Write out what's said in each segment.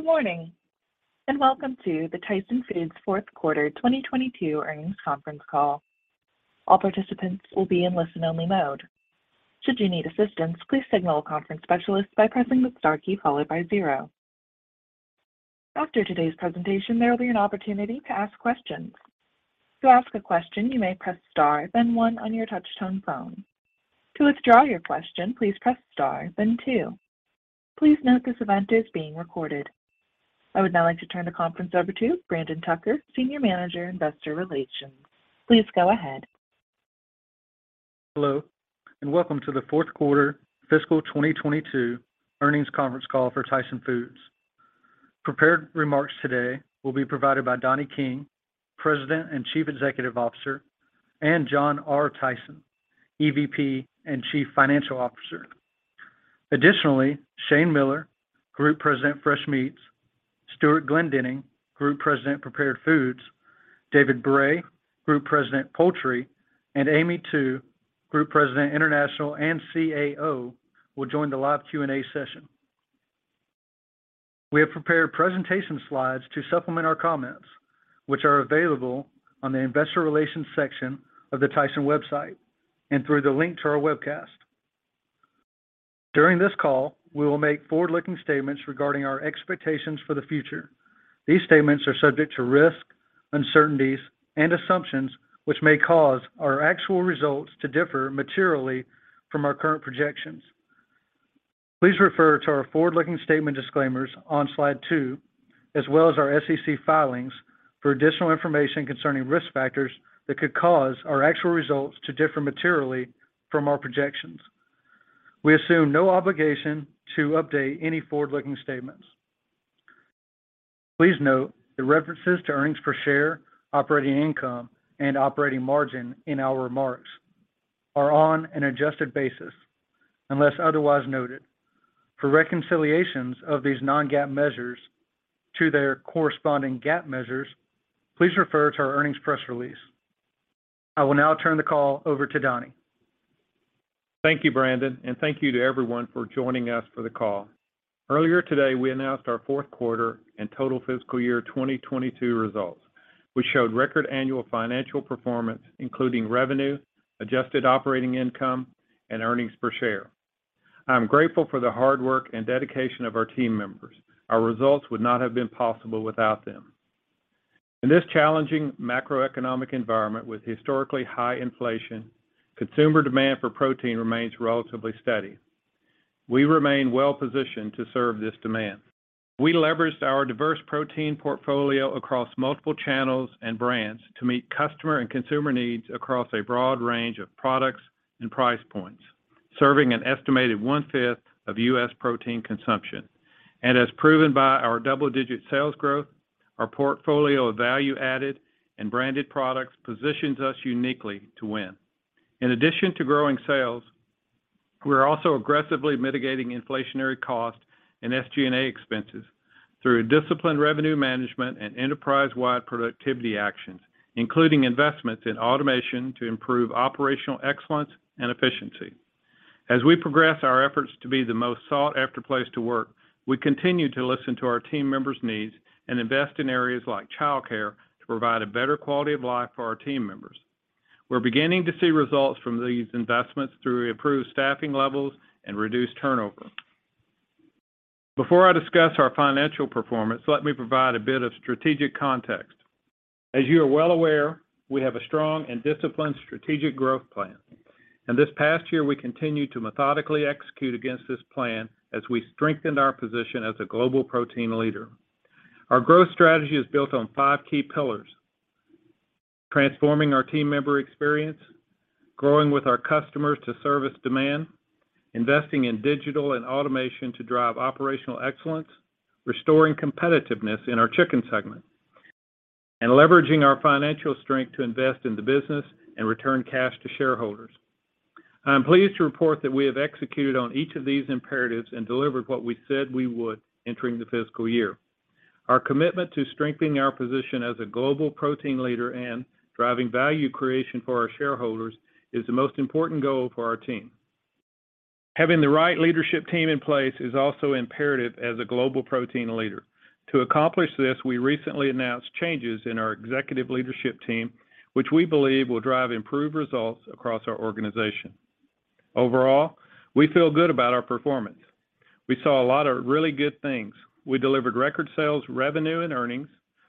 Good morning, and welcome to the Tyson Foods Fourth Quarter 2022 Earnings Conference Call. All participants will be in listen-only mode. Should you need assistance, please signal a conference specialist by pressing the star key followed by zero. After today's presentation, there will be an opportunity to ask questions. To ask a question, you may press star then one on your touchtone phone. To withdraw your question, please press star then two. Please note this event is being recorded. I would now like to turn the conference over to Brandon Tucker, Senior Manager, Investor Relations. Please go ahead. Hello, and welcome to the fourth quarter fiscal 2022 earnings conference call for Tyson Foods. Prepared remarks today will be provided by Donnie King, President and Chief Executive Officer, and John R. Tyson, EVP and Chief Financial Officer. Additionally, Shane Miller, Group President, Fresh Meats, Stewart Glendinning, Group President, Prepared Foods, David Bray, Group President, Poultry, and Amy Tu, Group President, International and CAO, will join the live Q&A session. We have prepared presentation slides to supplement our comments, which are available on the Investor Relations section of the Tyson website and through the link to our webcast. During this call, we will make forward-looking statements regarding our expectations for the future. These statements are subject to risk, uncertainties, and assumptions which may cause our actual results to differ materially from our current projections. Please refer to our forward-looking statement disclaimers on slide two, as well as our SEC filings for additional information concerning risk factors that could cause our actual results to differ materially from our projections. We assume no obligation to update any forward-looking statements. Please note that references to earnings per share, operating income, and operating margin in our remarks are on an adjusted basis unless otherwise noted. For reconciliations of these non-GAAP measures to their corresponding GAAP measures, please refer to our earnings press release. I will now turn the call over to Donnie. Thank you, Brandon, and thank you to everyone for joining us for the call. Earlier today, we announced our fourth quarter and total fiscal year 2022 results, which showed record annual financial performance, including revenue, adjusted operating income, and earnings per share. I'm grateful for the hard work and dedication of our team members. Our results would not have been possible without them. In this challenging macroeconomic environment with historically high inflation, consumer demand for protein remains relatively steady. We remain well-positioned to serve this demand. We leveraged our diverse protein portfolio across multiple channels and brands to meet customer and consumer needs across a broad range of products and price points, serving an estimated 1/5 of U.S. protein consumption. As proven by our double-digit sales growth, our portfolio of value-added and branded products positions us uniquely to win. In addition to growing sales, we're also aggressively mitigating inflationary cost and SG&A expenses through disciplined revenue management and enterprise-wide productivity actions, including investments in automation to improve operational excellence and efficiency. As we progress our efforts to be the most sought-after place to work, we continue to listen to our team members' needs and invest in areas like childcare to provide a better quality of life for our team members. We're beginning to see results from these investments through improved staffing levels and reduced turnover. Before I discuss our financial performance, let me provide a bit of strategic context. As you are well aware, we have a strong and disciplined strategic growth plan. This past year, we continued to methodically execute against this plan as we strengthened our position as a global protein leader. Our growth strategy is built on five key pillars, transforming our team member experience, growing with our customers to service demand, investing in digital and automation to drive operational excellence, restoring competitiveness in our chicken segment, and leveraging our financial strength to invest in the business and return cash to shareholders. I'm pleased to report that we have executed on each of these imperatives and delivered what we said we would entering the fiscal year. Our commitment to strengthening our position as a global protein leader and driving value creation for our shareholders is the most important goal for our team. Having the right leadership team in place is also imperative as a global protein leader. To accomplish this, we recently announced changes in our executive leadership team, which we believe will drive improved results across our organization. Overall, we feel good about our performance. We saw a lot of really good things. We delivered record sales, revenue, and earnings.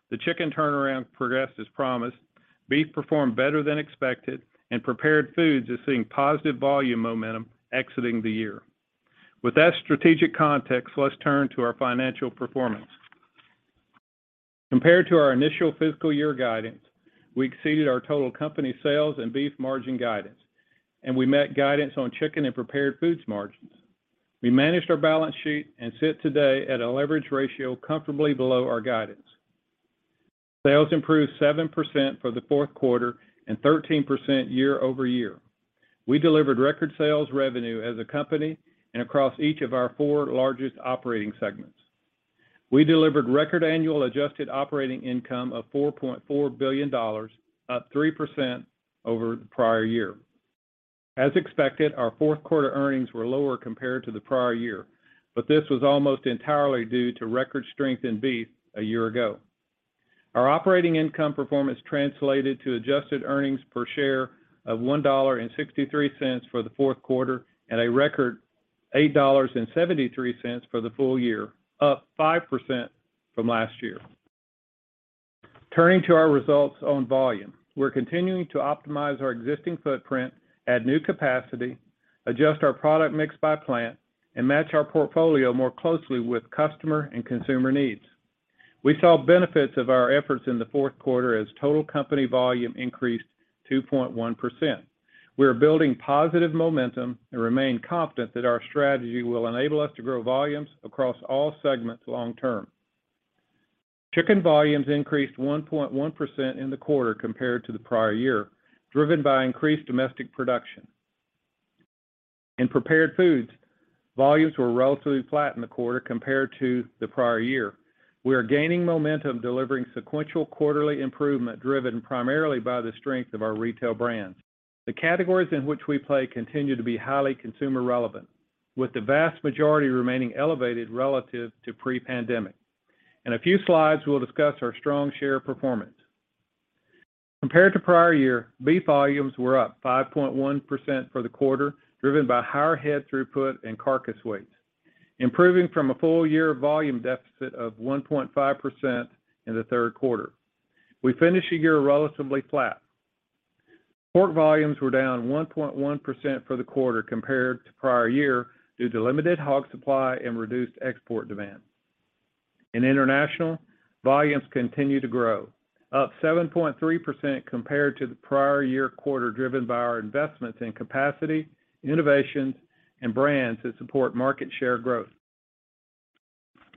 The Chicken turnaround progressed as promised. Beef performed better than expected, and Prepared Foods is seeing positive volume momentum exiting the year. With that strategic context, let's turn to our financial performance. Compared to our initial fiscal year guidance, we exceeded our total company sales and Beef margin guidance, and we met guidance on Chicken and Prepared Foods margins. We managed our balance sheet and sit today at a leverage ratio comfortably below our guidance. Sales improved 7% for the fourth quarter and 13% year-over-year. We delivered record sales revenue as a company and across each of our four largest operating segments. We delivered record annual adjusted operating income of $4.4 billion, up 3% over the prior year. As expected, our fourth quarter earnings were lower compared to the prior year, but this was almost entirely due to record strength in beef a year ago. Our operating income performance translated to adjusted earnings per share of $1.63 for the fourth quarter and a record $8.73 for the full year, up 5% from last year. Turning to our results on volume, we're continuing to optimize our existing footprint, add new capacity, adjust our product mix by plant, and match our portfolio more closely with customer and consumer needs. We saw benefits of our efforts in the fourth quarter as total company volume increased 2.1%. We are building positive momentum and remain confident that our strategy will enable us to grow volumes across all segments long term. Chicken volumes increased 1.1% in the quarter compared to the prior year, driven by increased domestic production. In prepared foods, volumes were relatively flat in the quarter compared to the prior year. We are gaining momentum, delivering sequential quarterly improvement, driven primarily by the strength of our retail brands. The categories in which we play continue to be highly consumer relevant, with the vast majority remaining elevated relative to pre-pandemic. In a few slides, we'll discuss our strong share performance. Compared to prior year, beef volumes were up 5.1% for the quarter, driven by higher head throughput and carcass weights, improving from a full year volume deficit of 1.5% in the third quarter. We finished the year relatively flat. Pork volumes were down 1.1% for the quarter compared to prior year due to limited hog supply and reduced export demand. In international, volumes continue to grow, up 7.3% compared to the prior year quarter, driven by our investments in capacity, innovations, and brands that support market share growth.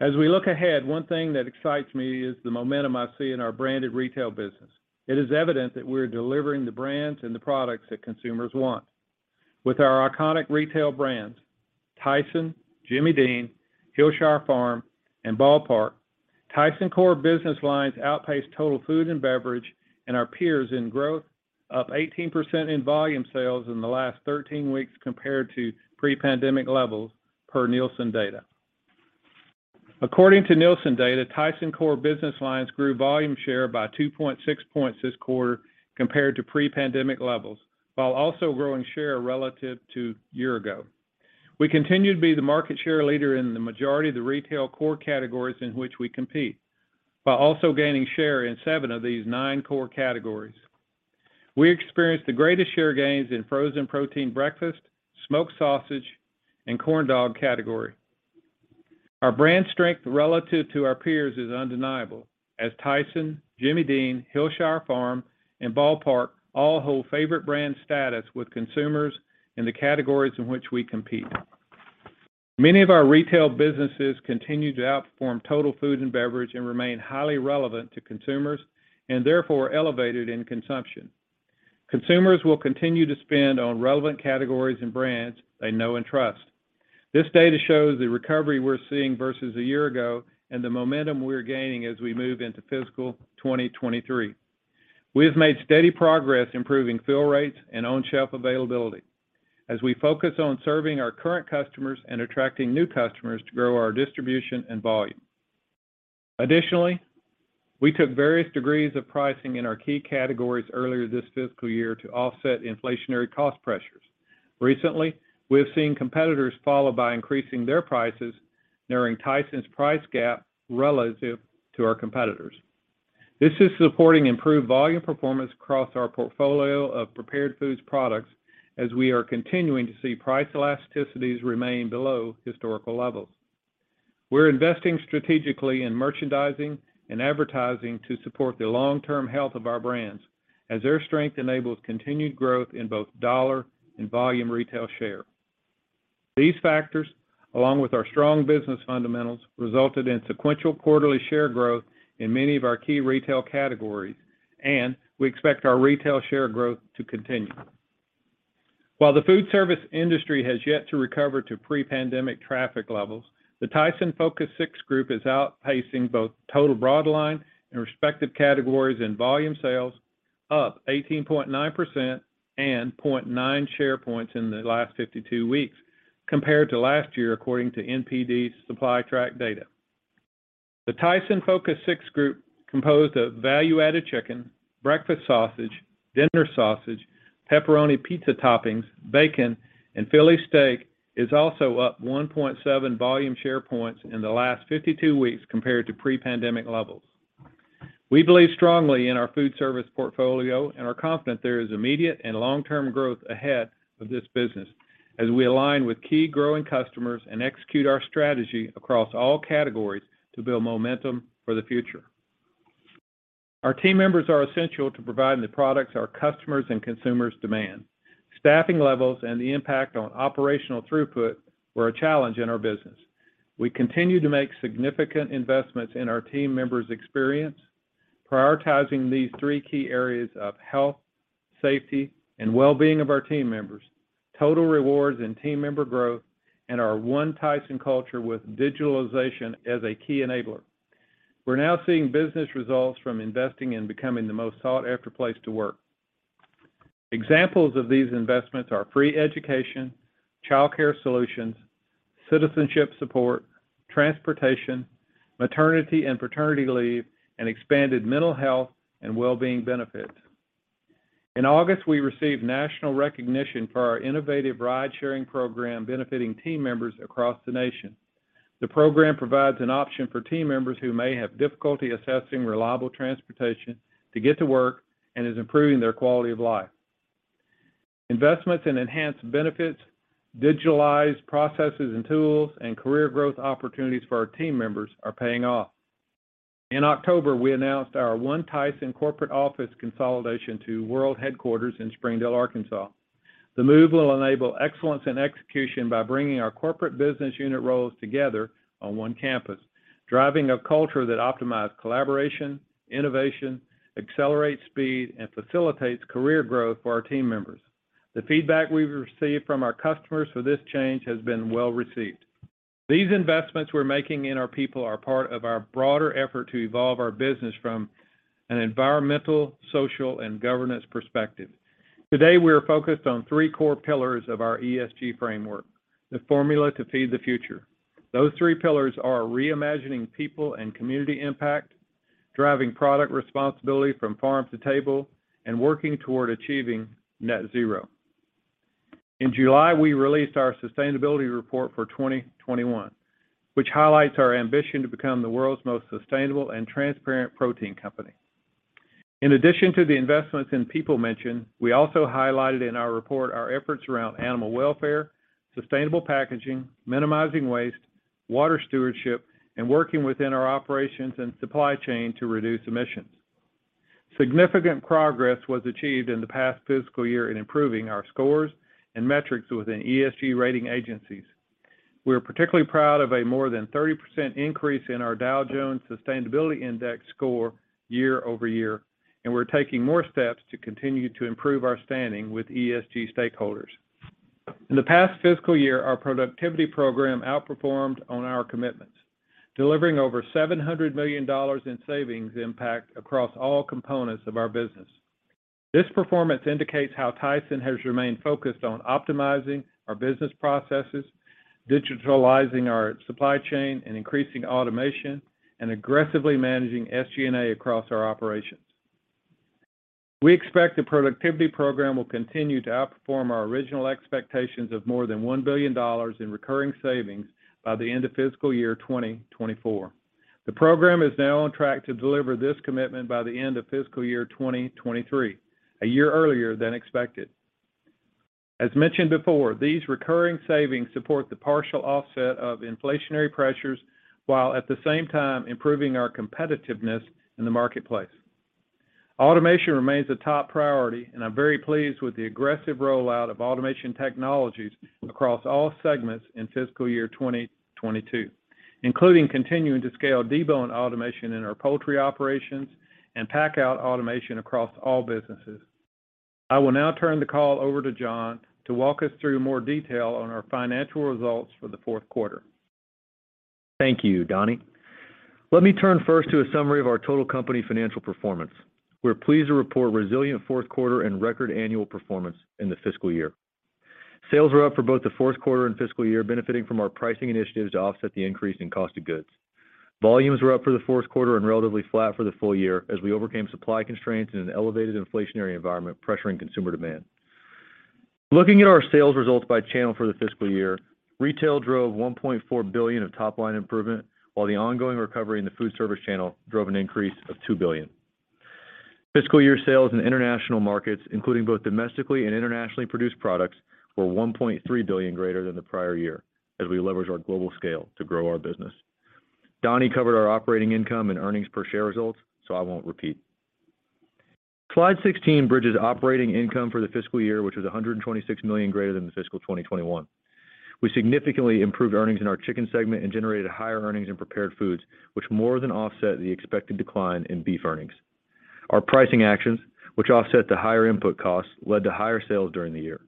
As we look ahead, one thing that excites me is the momentum I see in our branded retail business. It is evident that we're delivering the brands and the products that consumers want. With our iconic retail brands, Tyson, Jimmy Dean, Hillshire Farm, and Ball Park, Tyson core business lines outpace total food and beverage and our peers in growth, up 18% in volume sales in the last 13 weeks compared to pre-pandemic levels per Nielsen data. According to Nielsen data, Tyson core business lines grew volume share by 2.6 points this quarter compared to pre-pandemic levels, while also growing share relative to year-ago. We continue to be the market share leader in the majority of the retail core categories in which we compete, while also gaining share in seven of these nine core categories. We experienced the greatest share gains in frozen protein breakfast, smoked sausage, and corn dog category. Our brand strength relative to our peers is undeniable as Tyson, Jimmy Dean, Hillshire Farm, and Ball Park all hold favorite brand status with consumers in the categories in which we compete. Many of our retail businesses continue to outperform total food and beverage and remain highly relevant to consumers and therefore elevated in consumption. Consumers will continue to spend on relevant categories and brands they know and trust. This data shows the recovery we're seeing versus a year ago and the momentum we're gaining as we move into fiscal 2023. We have made steady progress improving fill rates and on-shelf availability as we focus on serving our current customers and attracting new customers to grow our distribution and volume. Additionally, we took various degrees of pricing in our key categories earlier this fiscal year to offset inflationary cost pressures. Recently, we have seen competitors follow by increasing their prices, narrowing Tyson's price gap relative to our competitors. This is supporting improved volume performance across our portfolio of prepared foods products as we are continuing to see price elasticities remain below historical levels. We're investing strategically in merchandising and advertising to support the long-term health of our brands as their strength enables continued growth in both dollar and volume retail share. These factors, along with our strong business fundamentals, resulted in sequential quarterly share growth in many of our key retail categories, and we expect our retail share growth to continue. While the food service industry has yet to recover to pre-pandemic traffic levels, the Tyson Focus 6 group is outpacing both total broad line and respective categories in volume sales, up 18.9% and 0.9 share points in the last 52 weeks compared to last year, according to NPD's SupplyTrack data. The Tyson Focus 6 group, composed of value-added chicken, breakfast sausage, dinner sausage, pepperoni pizza toppings, bacon, and Philly steak, is also up 1.7 volume share points in the last 52 weeks compared to pre-pandemic levels. We believe strongly in our foodservice portfolio and are confident there is immediate and long-term growth ahead of this business as we align with key growing customers and execute our strategy across all categories to build momentum for the future. Our team members are essential to providing the products our customers and consumers demand. Staffing levels and the impact on operational throughput were a challenge in our business. We continue to make significant investments in our team members' experience, prioritizing these three key areas of health, safety, and well-being of our team members, total rewards and team member growth, and our One Tyson culture with digitalization as a key enabler. We're now seeing business results from investing in becoming the most sought-after place to work. Examples of these investments are free education, childcare solutions, citizenship support, transportation, maternity and paternity leave, and expanded mental health and well-being benefits. In August, we received national recognition for our innovative ride-sharing program benefiting team members across the nation. The program provides an option for team members who may have difficulty accessing reliable transportation to get to work and is improving their quality of life. Investments in enhanced benefits, digitalized processes and tools, and career growth opportunities for our team members are paying off. In October, we announced our One Tyson corporate office consolidation to world headquarters in Springdale, Arkansas. The move will enable excellence in execution by bringing our corporate business unit roles together on one campus, driving a culture that optimizes collaboration, innovation, accelerates speed, and facilitates career growth for our team members. The feedback we've received from our customers for this change has been well-received. These investments we're making in our people are part of our broader effort to evolve our business from an environmental, social, and governance perspective. Today, we are focused on three core pillars of our ESG framework, The Formula to Feed the Future. Those three pillars are reimagining people and community impact, driving product responsibility from farm to table, and working toward achieving net zero. In July, we released our sustainability report for 2021, which highlights our ambition to become the world's most sustainable and transparent protein company. In addition to the investments in people mentioned, we also highlighted in our report our efforts around animal welfare, sustainable packaging, minimizing waste, water stewardship, and working within our operations and supply chain to reduce emissions. Significant progress was achieved in the past fiscal year in improving our scores and metrics within ESG rating agencies. We are particularly proud of a more than 30% increase in our Dow Jones Sustainability Index score year-over-year, and we're taking more steps to continue to improve our standing with ESG stakeholders. In the past fiscal year, our productivity program outperformed on our commitments, delivering over $700 million in savings impact across all components of our business. This performance indicates how Tyson has remained focused on optimizing our business processes, digitalizing our supply chain and increasing automation, and aggressively managing SG&A across our operations. We expect the productivity program will continue to outperform our original expectations of more than $1 billion in recurring savings by the end of fiscal year 2024. The program is now on track to deliver this commitment by the end of fiscal year 2023, a year earlier than expected. As mentioned before, these recurring savings support the partial offset of inflationary pressures, while at the same time improving our competitiveness in the marketplace. Automation remains a top priority, and I'm very pleased with the aggressive rollout of automation technologies across all segments in fiscal year 2022, including continuing to scale deboning automation in our poultry operations and pack out automation across all businesses. I will now turn the call over to John to walk us through more detail on our financial results for the fourth quarter. Thank you, Donnie. Let me turn first to a summary of our total company financial performance. We're pleased to report resilient fourth quarter and record annual performance in the fiscal year. Sales were up for both the fourth quarter and fiscal year, benefiting from our pricing initiatives to offset the increase in cost of goods. Volumes were up for the fourth quarter and relatively flat for the full year as we overcame supply constraints in an elevated inflationary environment, pressuring consumer demand. Looking at our sales results by channel for the fiscal year, retail drove $1.4 billion of top-line improvement, while the ongoing recovery in the food service channel drove an increase of $2 billion. Fiscal year sales in international markets, including both domestically and internationally produced products, were $1.3 billion greater than the prior year as we leveraged our global scale to grow our business. Donnie covered our operating income and earnings per share results, so I won't repeat. Slide 16 bridges operating income for the fiscal year, which was $126 million greater than the fiscal 2021. We significantly improved earnings in our chicken segment and generated higher earnings in prepared foods, which more than offset the expected decline in beef earnings. Our pricing actions, which offset the higher input costs, led to higher sales during the year.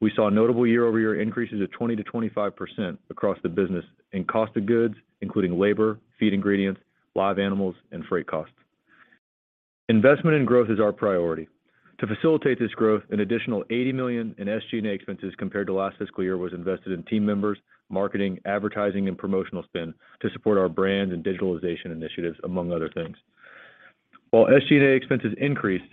We saw notable year-over-year increases of 20%-25% across the business in cost of goods, including labor, feed ingredients, live animals, and freight costs. Investment in growth is our priority. To facilitate this growth, an additional $80 million in SG&A expenses compared to last fiscal year was invested in team members, marketing, advertising, and promotional spend to support our brand and digitalization initiatives, among other things. While SG&A expenses increased,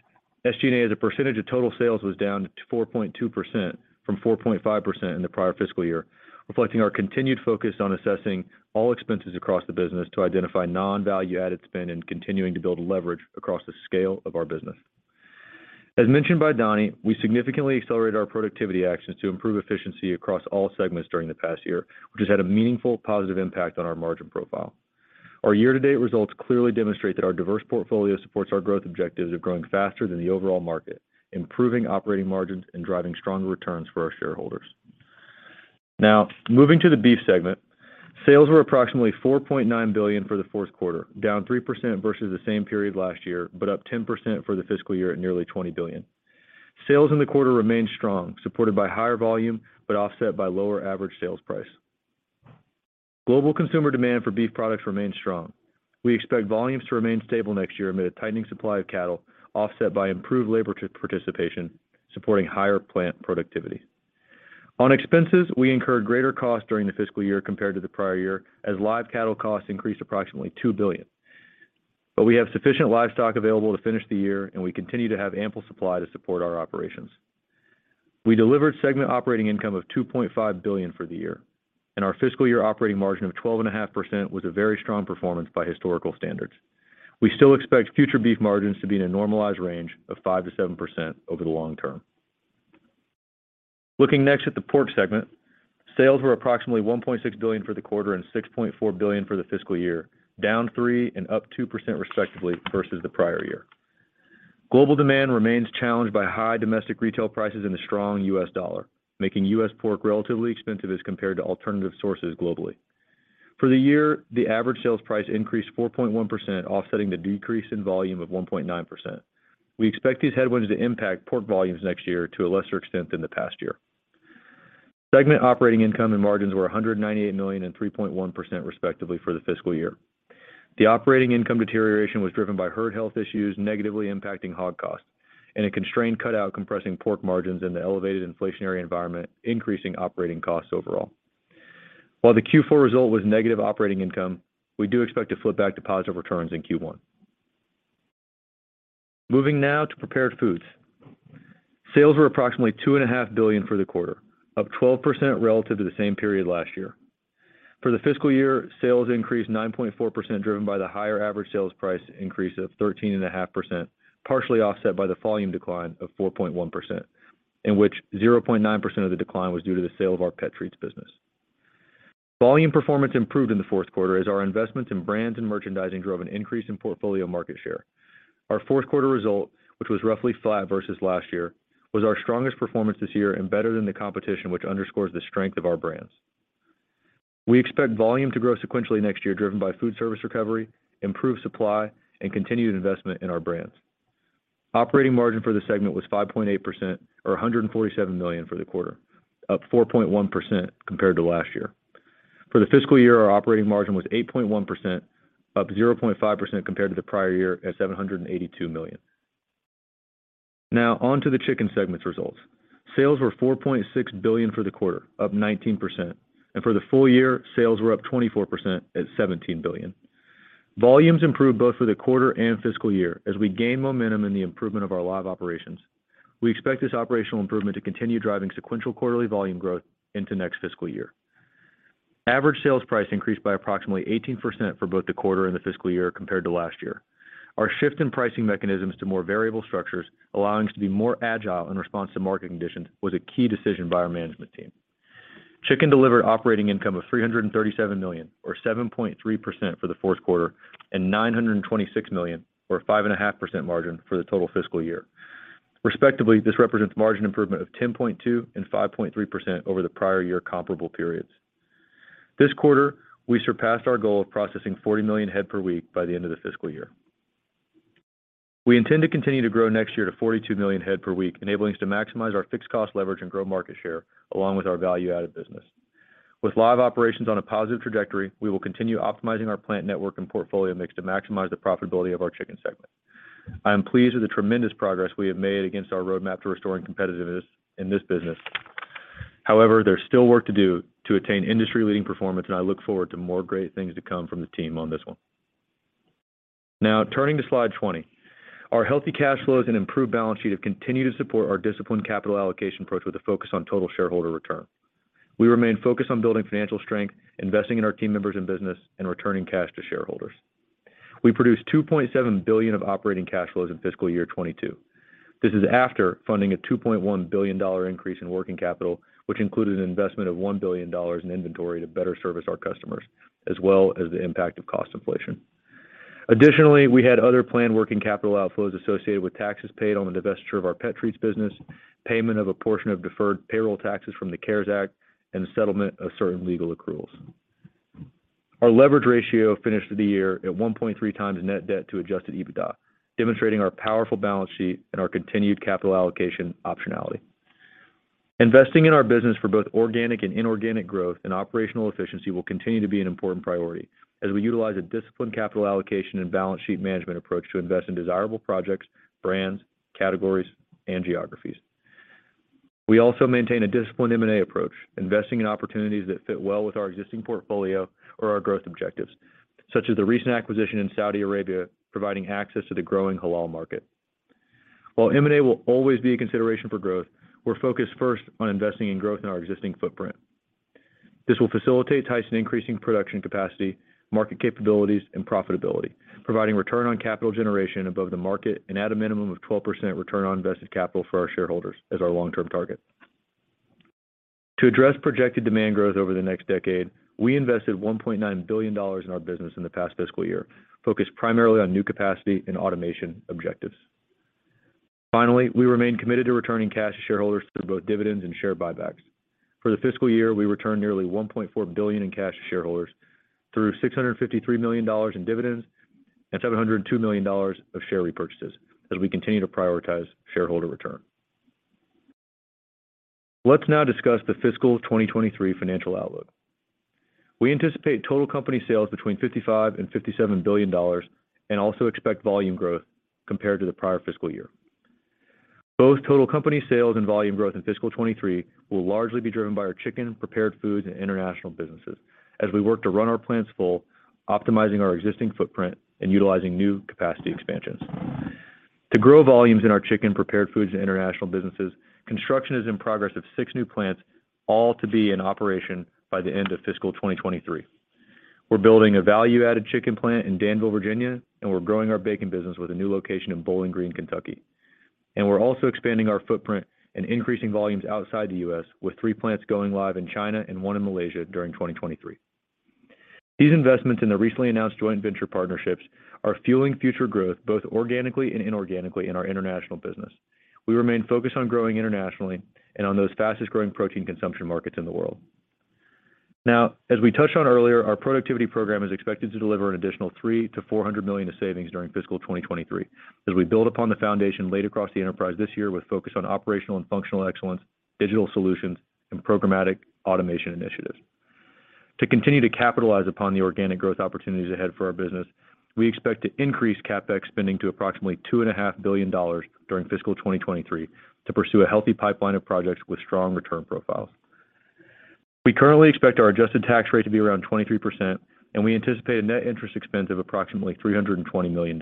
SG&A as a percentage of total sales was down to 4.2% from 4.5% in the prior fiscal year, reflecting our continued focus on assessing all expenses across the business to identify non-value-added spend and continuing to build leverage across the scale of our business. As mentioned by Donnie, we significantly accelerated our productivity actions to improve efficiency across all segments during the past year, which has had a meaningful positive impact on our margin profile. Our year-to-date results clearly demonstrate that our diverse portfolio supports our growth objectives of growing faster than the overall market, improving operating margins, and driving stronger returns for our shareholders. Now, moving to the beef segment. Sales were approximately $4.9 billion for the fourth quarter, down 3% versus the same period last year, but up 10% for the fiscal year at nearly $20 billion. Sales in the quarter remained strong, supported by higher volume, but offset by lower average sales price. Global consumer demand for beef products remains strong. We expect volumes to remain stable next year amid a tightening supply of cattle, offset by improved labor participation, supporting higher plant productivity. On expenses, we incurred greater costs during the fiscal year compared to the prior year as live cattle costs increased approximately $2 billion. We have sufficient livestock available to finish the year, and we continue to have ample supply to support our operations. We delivered segment operating income of $2.5 billion for the year, and our fiscal year operating margin of 12.5% was a very strong performance by historical standards. We still expect future beef margins to be in a normalized range of 5%-7% over the long term. Looking next at the pork segment, sales were approximately $1.6 billion for the quarter and $6.4 billion for the fiscal year, down 3% and up 2% respectively versus the prior year. Global demand remains challenged by high domestic retail prices and the strong U.S. dollar, making U.S. pork relatively expensive as compared to alternative sources globally. For the year, the average sales price increased 4.1%, offsetting the decrease in volume of 1.9%. We expect these headwinds to impact pork volumes next year to a lesser extent than the past year. Segment operating income and margins were $198 million and 3.1% respectively for the fiscal year. The operating income deterioration was driven by herd health issues negatively impacting hog costs, and a constrained cutout compressing pork margins in the elevated inflationary environment, increasing operating costs overall. While the Q4 result was negative operating income, we do expect to flip back to positive returns in Q1. Moving now to Prepared Foods. Sales were approximately $2.5 billion for the quarter, up 12% relative to the same period last year. For the fiscal year, sales increased 9.4%, driven by the higher average sales price increase of 13.5%, partially offset by the volume decline of 4.1%, in which 0.9% of the decline was due to the sale of our pet treats business. Volume performance improved in the fourth quarter as our investments in brands and merchandising drove an increase in portfolio market share. Our fourth quarter result, which was roughly flat versus last year, was our strongest performance this year and better than the competition, which underscores the strength of our brands. We expect volume to grow sequentially next year, driven by food service recovery, improved supply, and continued investment in our brands. Operating margin for the segment was 5.8% or $147 million for the quarter, up 4.1% compared to last year. For the fiscal year, our operating margin was 8.1%, up 0.5% compared to the prior year at $782 million. Now on to the chicken segment's results. Sales were $4.6 billion for the quarter, up 19%. For the full year, sales were up 24% at $17 billion. Volumes improved both for the quarter and fiscal year as we gain momentum in the improvement of our live operations. We expect this operational improvement to continue driving sequential quarterly volume growth into next fiscal year. Average sales price increased by approximately 18% for both the quarter and the fiscal year compared to last year. Our shift in pricing mechanisms to more variable structures allowing us to be more agile in response to market conditions was a key decision by our management team. Chicken delivered operating income of $337 million or 7.3% for the fourth quarter and $926 million or 5.5% margin for the total fiscal year. Respectively, this represents margin improvement of 10.2% and 5.3% over the prior year comparable periods. This quarter, we surpassed our goal of processing 40 million head per week by the end of the fiscal year. We intend to continue to grow next year to 42 million head per week, enabling us to maximize our fixed cost leverage and grow market share along with our value-added business. With live operations on a positive trajectory, we will continue optimizing our plant network and portfolio mix to maximize the profitability of our chicken segment. I am pleased with the tremendous progress we have made against our roadmap to restoring competitiveness in this business. However, there's still work to do to attain industry-leading performance, and I look forward to more great things to come from the team on this one. Now, turning to slide 20, our healthy cash flows and improved balance sheet have continued to support our disciplined capital allocation approach with a focus on total shareholder return. We remain focused on building financial strength, investing in our team members and business, and returning cash to shareholders. We produced $2.7 billion of operating cash flows in fiscal year 2022. This is after funding a $2.1 billion increase in working capital, which included an investment of $1 billion in inventory to better service our customers, as well as the impact of cost inflation. Additionally, we had other planned working capital outflows associated with taxes paid on the divestiture of our pet treats business, payment of a portion of deferred payroll taxes from the CARES Act, and the settlement of certain legal accruals. Our leverage ratio finished the year at 1.3x net debt to adjusted EBITDA, demonstrating our powerful balance sheet and our continued capital allocation optionality. Investing in our business for both organic and inorganic growth and operational efficiency will continue to be an important priority as we utilize a disciplined capital allocation and balance sheet management approach to invest in desirable projects, brands, categories, and geographies. We also maintain a disciplined M&A approach, investing in opportunities that fit well with our existing portfolio or our growth objectives, such as the recent acquisition in Saudi Arabia, providing access to the growing halal market. While M&A will always be a consideration for growth, we're focused first on investing in growth in our existing footprint. This will facilitate Tyson increasing production capacity, market capabilities, and profitability, providing return on capital generation above the market and at a minimum of 12% return on invested capital for our shareholders as our long-term target. To address projected demand growth over the next decade, we invested $1.9 billion in our business in the past fiscal year, focused primarily on new capacity and automation objectives. Finally, we remain committed to returning cash to shareholders through both dividends and share buybacks. For the fiscal year, we returned nearly $1.4 billion in cash to shareholders through $653 million in dividends and $702 million of share repurchases as we continue to prioritize shareholder return. Let's now discuss the fiscal 2023 financial outlook. We anticipate total company sales between $55 billion-$57 billion and also expect volume growth compared to the prior fiscal year. Both total company sales and volume growth in fiscal 2023 will largely be driven by our chicken, prepared foods, and international businesses as we work to run our plants full, optimizing our existing footprint and utilizing new capacity expansions. To grow volumes in our chicken, prepared foods, and international businesses, construction is in progress of six new plants, all to be in operation by the end of fiscal 2023. We're building a value-added chicken plant in Danville, Virginia, and we're growing our bacon business with a new location in Bowling Green, Kentucky. We're also expanding our footprint and increasing volumes outside the U.S., with three plants going live in China and one in Malaysia during 2023. These investments in the recently announced joint venture partnerships are fueling future growth, both organically and inorganically in our international business. We remain focused on growing internationally and on those fastest-growing protein consumption markets in the world. Now, as we touched on earlier, our productivity program is expected to deliver an additional $300 million-$400 million of savings during fiscal 2023 as we build upon the foundation laid across the enterprise this year with focus on operational and functional excellence, digital solutions, and programmatic automation initiatives. To continue to capitalize upon the organic growth opportunities ahead for our business, we expect to increase CapEx spending to approximately $2.5 billion during fiscal 2023 to pursue a healthy pipeline of projects with strong return profiles. We currently expect our adjusted tax rate to be around 23%, and we anticipate a net interest expense of approximately $320 million.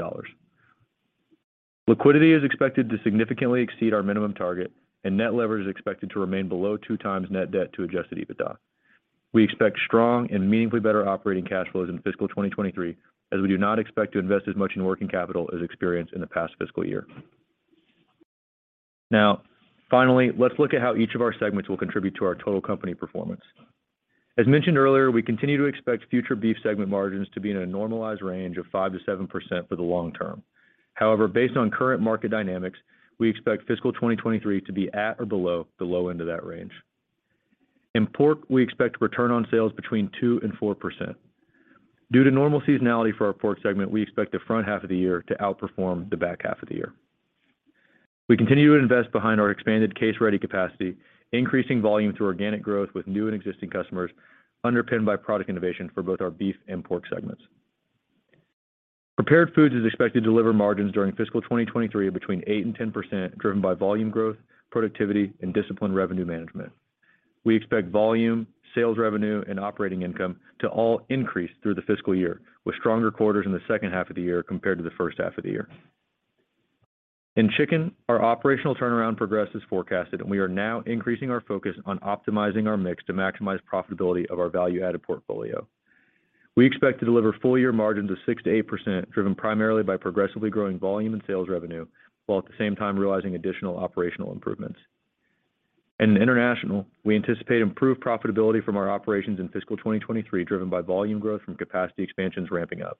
Liquidity is expected to significantly exceed our minimum target, and net leverage is expected to remain below 2x net debt to adjusted EBITDA. We expect strong and meaningfully better operating cash flows in fiscal 2023, as we do not expect to invest as much in working capital as experienced in the past fiscal year. Now, finally, let's look at how each of our segments will contribute to our total company performance. As mentioned earlier, we continue to expect future beef segment margins to be in a normalized range of 5%-7% for the long term. However, based on current market dynamics, we expect fiscal 2023 to be at or below the low end of that range. In pork, we expect return on sales between 2% and 4%. Due to normal seasonality for our pork segment, we expect the front half of the year to outperform the back half of the year. We continue to invest behind our expanded case-ready capacity, increasing volume through organic growth with new and existing customers, underpinned by product innovation for both our beef and pork segments. Prepared foods is expected to deliver margins during fiscal 2023 of between 8% and 10%, driven by volume growth, productivity, and disciplined revenue management. We expect volume, sales revenue, and operating income to all increase through the fiscal year, with stronger quarters in the second half of the year compared to the first half of the year. In chicken, our operational turnaround progress is forecasted, and we are now increasing our focus on optimizing our mix to maximize profitability of our value-added portfolio. We expect to deliver full year margins of 6%-8%, driven primarily by progressively growing volume and sales revenue, while at the same time realizing additional operational improvements. In international, we anticipate improved profitability from our operations in fiscal 2023, driven by volume growth from capacity expansions ramping up.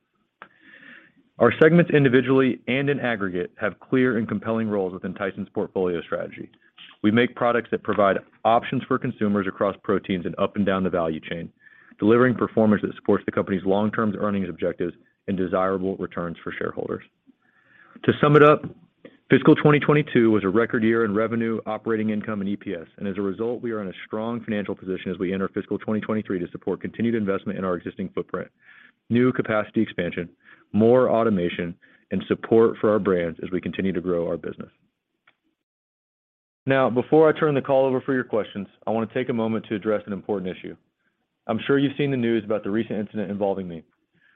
Our segments individually and in aggregate have clear and compelling roles within Tyson's portfolio strategy. We make products that provide options for consumers across proteins and up and down the value chain, delivering performance that supports the company's long-term earnings objectives and desirable returns for shareholders. To sum it up, fiscal 2022 was a record year in revenue, operating income, and EPS. As a result, we are in a strong financial position as we enter fiscal 2023 to support continued investment in our existing footprint, new capacity expansion, more automation, and support for our brands as we continue to grow our business. Now, before I turn the call over for your questions, I want to take a moment to address an important issue. I'm sure you've seen the news about the recent incident involving me.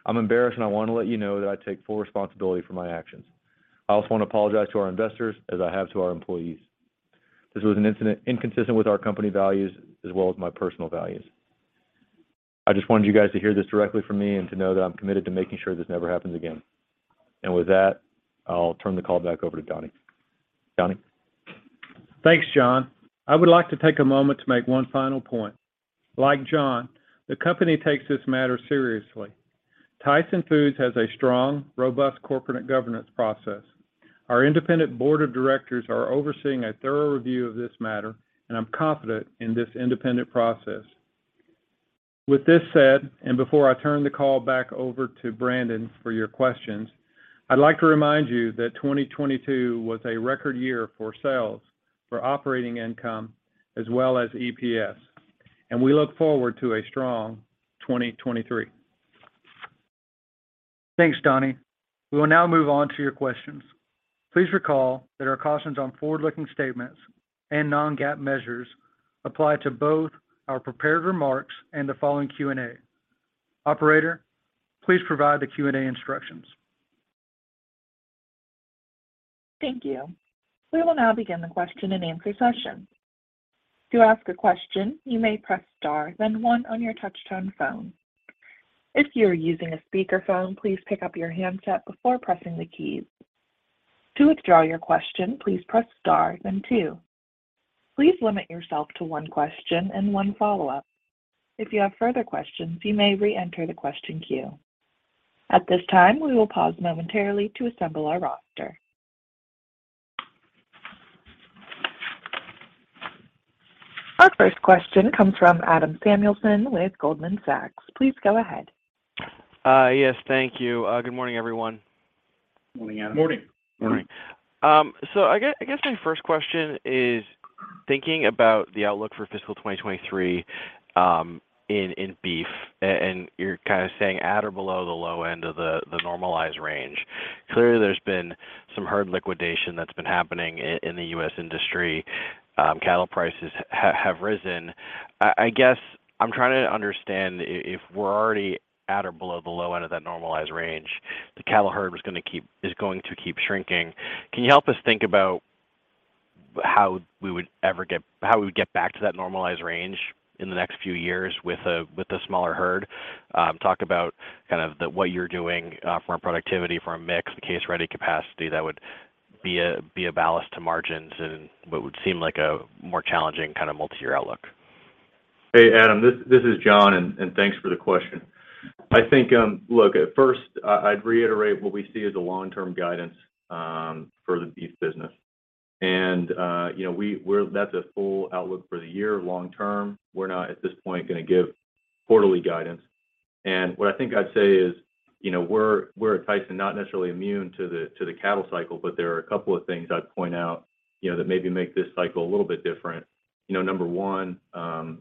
I'm embarrassed, and I want to let you know that I take full responsibility for my actions. I also want to apologize to our investors as I have to our employees. This was an incident inconsistent with our company values as well as my personal values. I just wanted you guys to hear this directly from me and to know that I'm committed to making sure this never happens again. With that, I'll turn the call back over to Donnie. Donnie? Thanks, John. I would like to take a moment to make one final point. Like John, the company takes this matter seriously. Tyson Foods has a strong, robust corporate governance process. Our independent board of directors are overseeing a thorough review of this matter, and I'm confident in this independent process. With this said, and before I turn the call back over to Brandon for your questions, I'd like to remind you that 2022 was a record year for sales, for operating income, as well as EPS, and we look forward to a strong 2023. Thanks, Donnie. We will now move on to your questions. Please recall that our cautions on forward-looking statements and non-GAAP measures apply to both our prepared remarks and the following Q&A. Operator, please provide the Q&A instructions. Thank you. We will now begin the question and answer session. To ask a question, you may press star, then one on your touchtone phone. If you are using a speakerphone, please pick up your handset before pressing the keys. To withdraw your question, please press star, then two. Please limit yourself to one question and one follow-up. If you have further questions, you may reenter the question queue. At this time, we will pause momentarily to assemble our roster. Our first question comes from Adam Samuelson with Goldman Sachs. Please go ahead. Yes, thank you. Good morning, everyone. Morning, Adam. Morning. Morning. I guess my first question is thinking about the outlook for fiscal 2023, in beef, and you're kind of saying at or below the low end of the normalized range. Clearly there's been some herd liquidation that's been happening in the U.S. industry. Cattle prices have risen. I guess I'm trying to understand if we're already at or below the low end of that normalized range, the cattle herd is going to keep shrinking. Can you help us think about how we would get back to that normalized range in the next few years with a smaller herd? Talk about kind of the what you're doing from a productivity, from a mix, the case-ready capacity that would be a ballast to margins in what would seem like a more challenging kind of multi-year outlook. Hey, Adam, this is John. Thanks for the question. I think, look, at first, I'd reiterate what we see as a long-term guidance for the beef business. You know, that's a full outlook for the year long term. We're not at this point gonna give quarterly guidance. What I think I'd say is, you know, we're at Tyson not necessarily immune to the cattle cycle, but there are a couple of things I'd point out, you know, that maybe make this cycle a little bit different. You know, number one,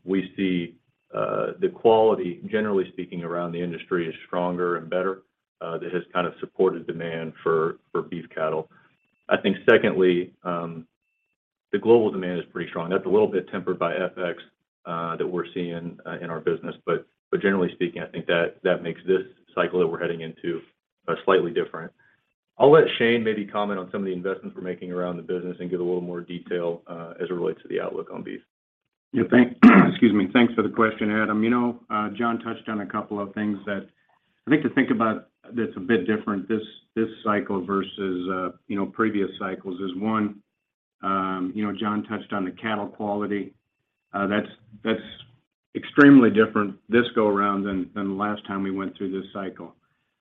we see the quality, generally speaking, around the industry is stronger and better, that has kind of supported demand for beef cattle. I think secondly, the global demand is pretty strong. That's a little bit tempered by FX that we're seeing in our business. Generally speaking, I think that makes this cycle that we're heading into slightly different. I'll let Shane maybe comment on some of the investments we're making around the business and give a little more detail as it relates to the outlook on beef. Yeah. Excuse me. Thanks for the question, Adam. You know, John touched on a couple of things that I think to think about that's a bit different this cycle versus, you know, previous cycles is one, you know, John touched on the cattle quality. That's extremely different this go around than the last time we went through this cycle.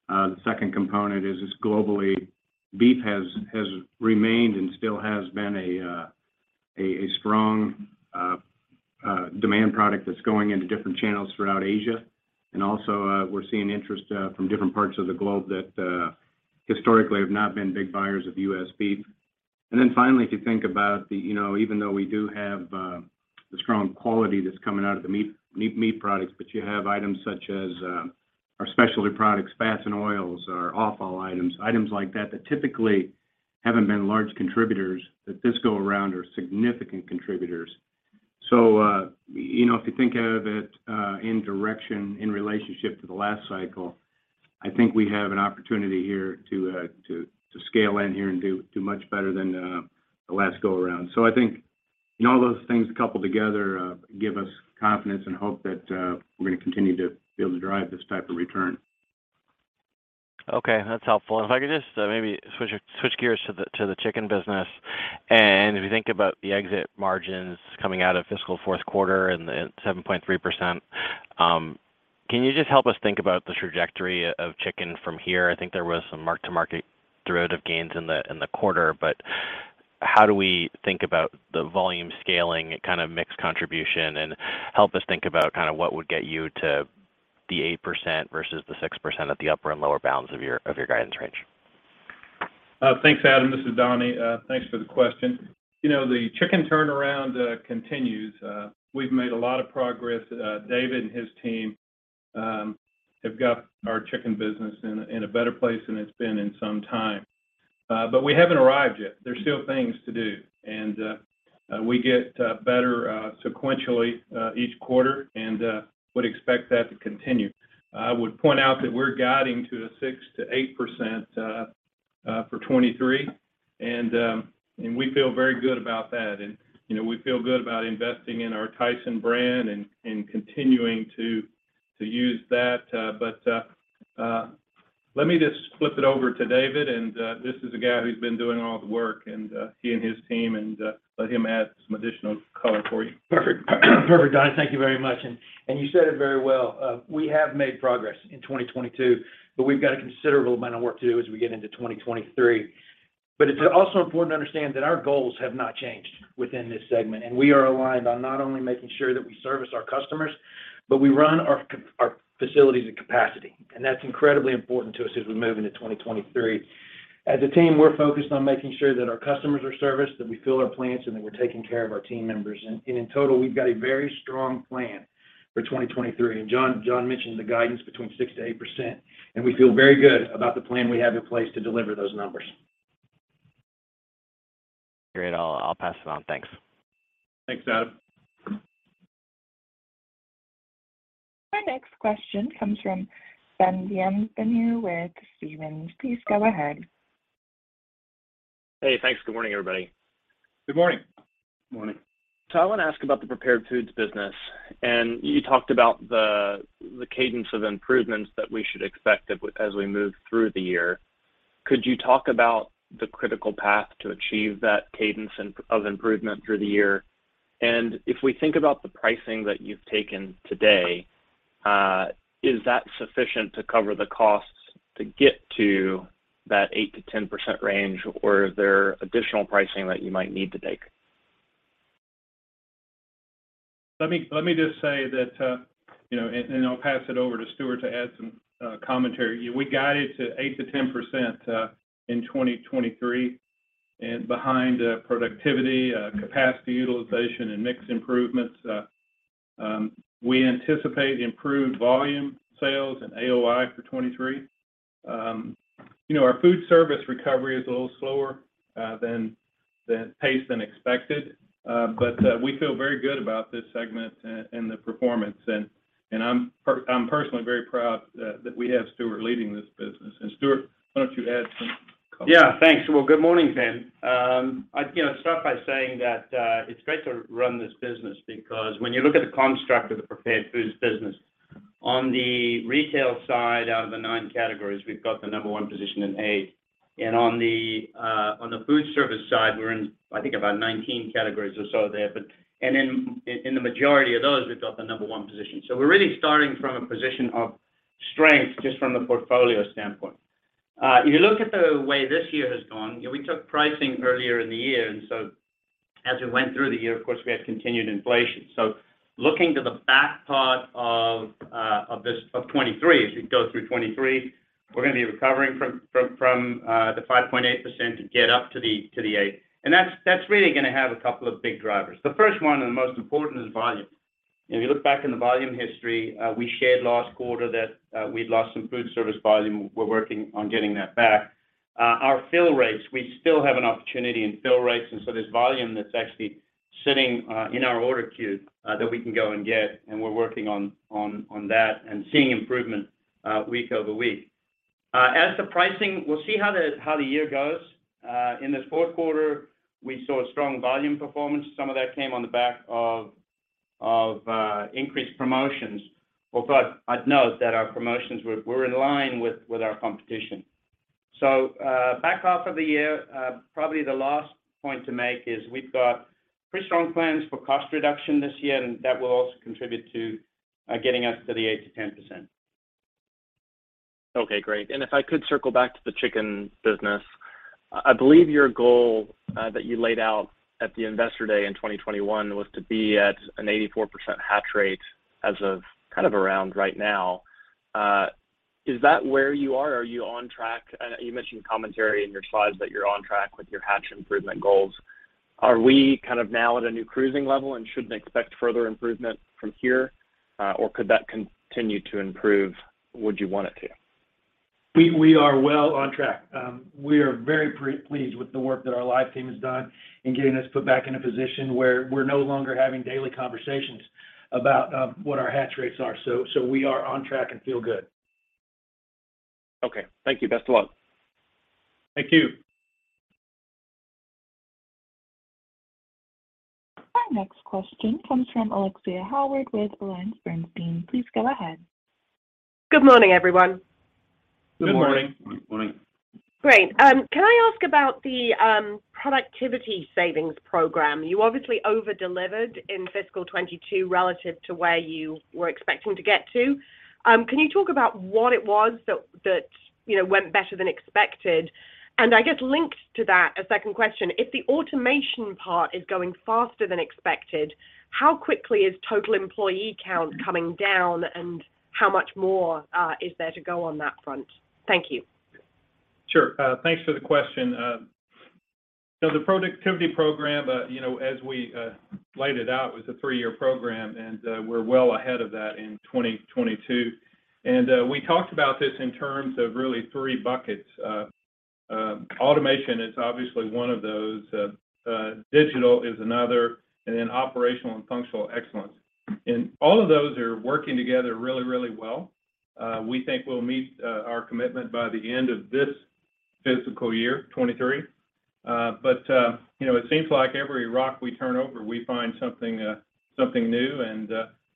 The second component is globally beef has remained and still has been a strong demand product that's going into different channels throughout Asia. Also, we're seeing interest from different parts of the globe that historically have not been big buyers of U.S. beef. Finally, if you think about, you know, even though we do have the strong quantity that's coming out of the meat products, but you have items such as our specialty products, fats and oils, our offal items like that that typically haven't been large contributors that this go around are significant contributors. You know, if you think of it in direct relation to the last cycle, I think we have an opportunity here to scale in here and do much better than the last go around. I think, you know, all those things coupled together give us confidence and hope that we're gonna continue to be able to drive this type of return. Okay. That's helpful. If I could just maybe switch gears to the chicken business, if you think about the exit margins coming out of fiscal fourth quarter and the 7.3%, can you just help us think about the trajectory of chicken from here? I think there was some mark-to-market derivative gains in the quarter, but how do we think about the volume scaling kind of mixed contribution? Help us think about kind of what would get you to the 8% versus the 6% at the upper and lower bounds of your guidance range. Thanks, Adam. This is Donnie. Thanks for the question. You know, the chicken turnaround continues. We've made a lot of progress. David and his team have got our chicken business in a better place than it's been in some time. But we haven't arrived yet. There's still things to do, and we get better sequentially each quarter and would expect that to continue. I would point out that we're guiding to a 6%-8% for 2023, and we feel very good about that. You know, we feel good about investing in our Tyson brand and continuing to use that. Let me just flip it over to David. This is a guy who's been doing all the work, and he and his team. Let him add some additional color for you. Perfect. Perfect, Donnie. Thank you very much. You said it very well. We have made progress in 2022, but we've got a considerable amount of work to do as we get into 2023. It's also important to understand that our goals have not changed within this segment, and we are aligned on not only making sure that we service our customers, but we run our facilities at capacity. That's incredibly important to us as we move into 2023. As a team, we're focused on making sure that our customers are serviced, that we fill our plants, and that we're taking care of our team members. In total, we've got a very strong plan for 2023. John mentioned the guidance between 6%-8%, and we feel very good about the plan we have in place to deliver those numbers. Great. I'll pass it on. Thanks. Thanks, Adam. Our next question comes from Ben Bienvenu with Stephens. Please go ahead. Hey, thanks. Good morning, everybody. Good morning. Morning. I wanna ask about the prepared foods business. You talked about the cadence of improvements that we should expect as we move through the year. Could you talk about the critical path to achieve that cadence of improvement through the year? If we think about the pricing that you've taken today, is that sufficient to cover the costs to get to that 8%-10% range, or is there additional pricing that you might need to take? Let me just say that, you know, I'll pass it over to Stewart to add some commentary. We guided to 8%-10% in 2023. Behind the productivity, capacity utilization and mix improvements, we anticipate improved volume sales and AOI for 2023. You know, our food service recovery is a little slower than anticipated. We feel very good about this segment and the performance. I'm personally very proud that we have Stewart leading this business. Stewart, why don't you add some color? Yeah. Thanks. Well, good morning, Ben. I'd, you know, start by saying that it's great to run this business because when you look at the construct of the prepared foods business, on the retail side, out of the nine categories, we've got the number one position in eight. On the food service side, we're in, I think about 19 categories or so there, but in the majority of those, we've got the number one position. So we're really starting from a position of strength just from the portfolio standpoint. If you look at the way this year has gone, you know, we took pricing earlier in the year, and so as we went through the year, of course, we had continued inflation. Looking to the back part of 2023, as we go through 2023, we're going to be recovering from the 5.8% to get up to the 8%. That's really going to have a couple of big drivers. The first one and the most important is volume. If you look back in the volume history, we shared last quarter that we'd lost some food service volume. We're working on getting that back. Our fill rates, we still have an opportunity in fill rates, and so there's volume that's actually sitting in our order queue that we can go and get, and we're working on that and seeing improvement week over week. As to pricing, we'll see how the year goes. In this fourth quarter, we saw strong volume performance. Some of that came on the back of increased promotions, but I'd note that our promotions were in line with our competition. Back half of the year, probably the last point to make is we've got pretty strong plans for cost reduction this year, and that will also contribute to getting us to the 8%-10%. Okay, great. If I could circle back to the chicken business, I believe your goal that you laid out at the Investor Day in 2021 was to be at an 84% hatch rate as of kind of around right now. Is that where you are? Are you on track? You mentioned commentary in your slides that you're on track with your hatch improvement goals. Are we kind of now at a new cruising level and shouldn't expect further improvement from here, or could that continue to improve, would you want it to? We are well on track. We are very pleased with the work that our live team has done in getting us put back in a position where we're no longer having daily conversations about what our hatch rates are. We are on track and feel good. Okay. Thank you. Best of luck. Thank you. Our next question comes from Alexia Howard with AllianceBernstein. Please go ahead. Good morning, everyone. Good morning. Good morning. Good morning. Great. Can I ask about the productivity savings program? You obviously over-delivered in fiscal 2022 relative to where you were expecting to get to. Can you talk about what it was that you know went better than expected? I guess linked to that, a second question, if the automation part is going faster than expected, how quickly is total employee count coming down, and how much more is there to go on that front? Thank you. Sure. Thanks for the question. The productivity program, you know, as we laid it out, was a three-year program, and we're well ahead of that in 2022. We talked about this in terms of really three buckets. Automation is obviously one of those, digital is another, and then operational and functional excellence. All of those are working together really, really well. We think we'll meet our commitment by the end of this fiscal year, 2023. You know, it seems like every rock we turn over, we find something new,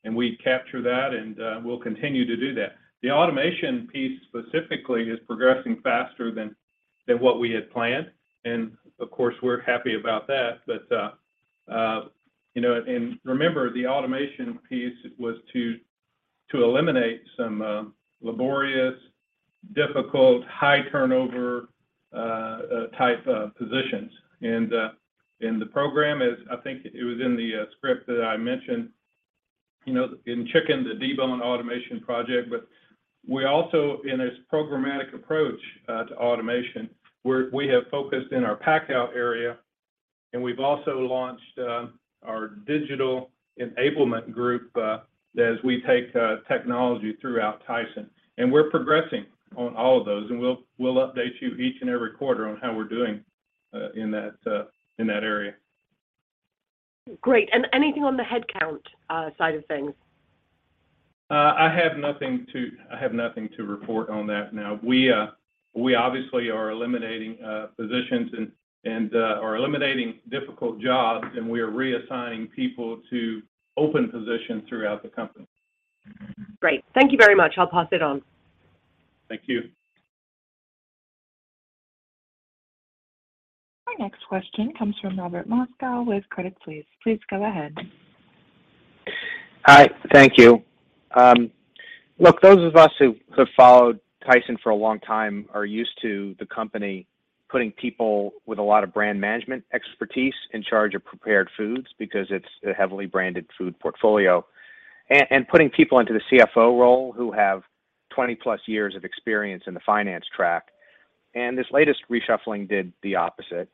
and we capture that, and we'll continue to do that. The automation piece specifically is progressing faster than what we had planned. Of course, we're happy about that. You know, remember, the automation piece was to eliminate some laborious, difficult, high turnover type of positions. The program is. I think it was in the script that I mentioned, you know, in chicken, the deboning automation project. We also, in this programmatic approach to automation, we have focused in our pack out area, and we've also launched our digital enablement group as we take technology throughout Tyson. We're progressing on all of those, and we'll update you each and every quarter on how we're doing in that area. Great. Anything on the headcount side of things? I have nothing to report on that now. We obviously are eliminating positions and are eliminating difficult jobs, and we are reassigning people to open positions throughout the company. Great. Thank you very much. I'll pass it on. Thank you. Our next question comes from Robert Moskow with Credit Suisse. Please go ahead. Hi. Thank you. Look, those of us who have followed Tyson for a long time are used to the company putting people with a lot of brand management expertise in charge of prepared foods because it's a heavily branded food portfolio, putting people into the CFO role who have 20+ years of experience in the finance track. This latest reshuffling did the opposite.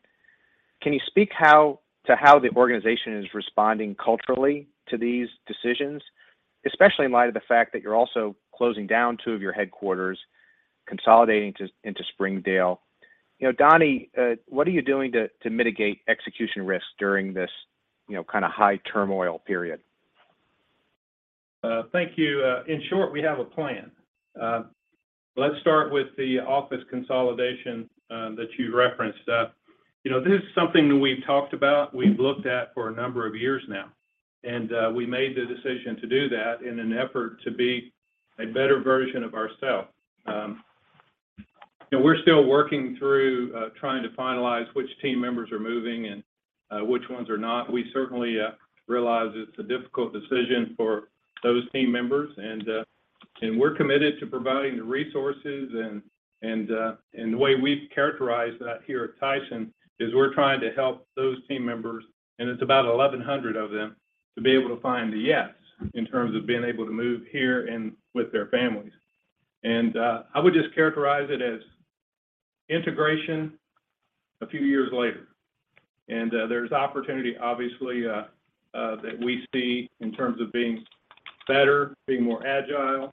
Can you speak how the organization is responding culturally to these decisions, especially in light of the fact that you're also closing down two of your headquarters, consolidating into Springdale? You know, Donnie, what are you doing to mitigate execution risks during this, you know, kind of high turmoil period? Thank you. In short, we have a plan. Let's start with the office consolidation that you referenced. You know, this is something that we've talked about, we've looked at for a number of years now, and we made the decision to do that in an effort to be a better version of ourself. You know, we're still working through trying to finalize which team members are moving and which ones are not. We certainly realize it's a difficult decision for those team members, and we're committed to providing the resources. The way we characterize that here at Tyson is we're trying to help those team members, and it's about 1,100 of them, to be able to find a yes in terms of being able to move here and with their families. I would just characterize it as integration a few years later. There's opportunity obviously that we see in terms of being better, being more agile,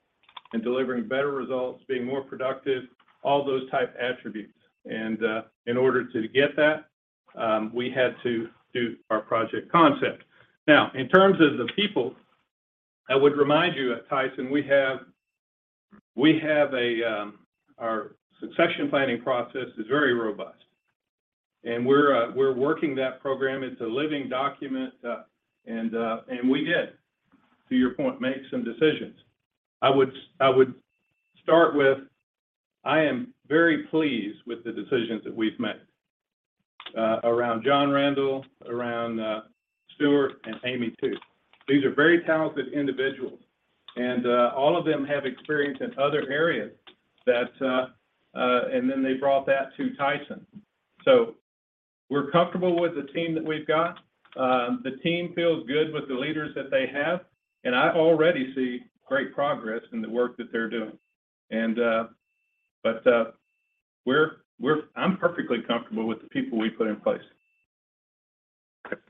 and delivering better results, being more productive, all those type attributes. In order to get that, we had to do our project concept. Now, in terms of the people, I would remind you at Tyson, we have our succession planning process is very robust, and we're working that program. It's a living document. We did, to your point, make some decisions. I would start with I am very pleased with the decisions that we've made around John Randal, around Stewart and Amy Tu. These are very talented individuals, and all of them have experience in other areas that. They brought that to Tyson. We're comfortable with the team that we've got. The team feels good with the leaders that they have, and I already see great progress in the work that they're doing. I'm perfectly comfortable with the people we put in place.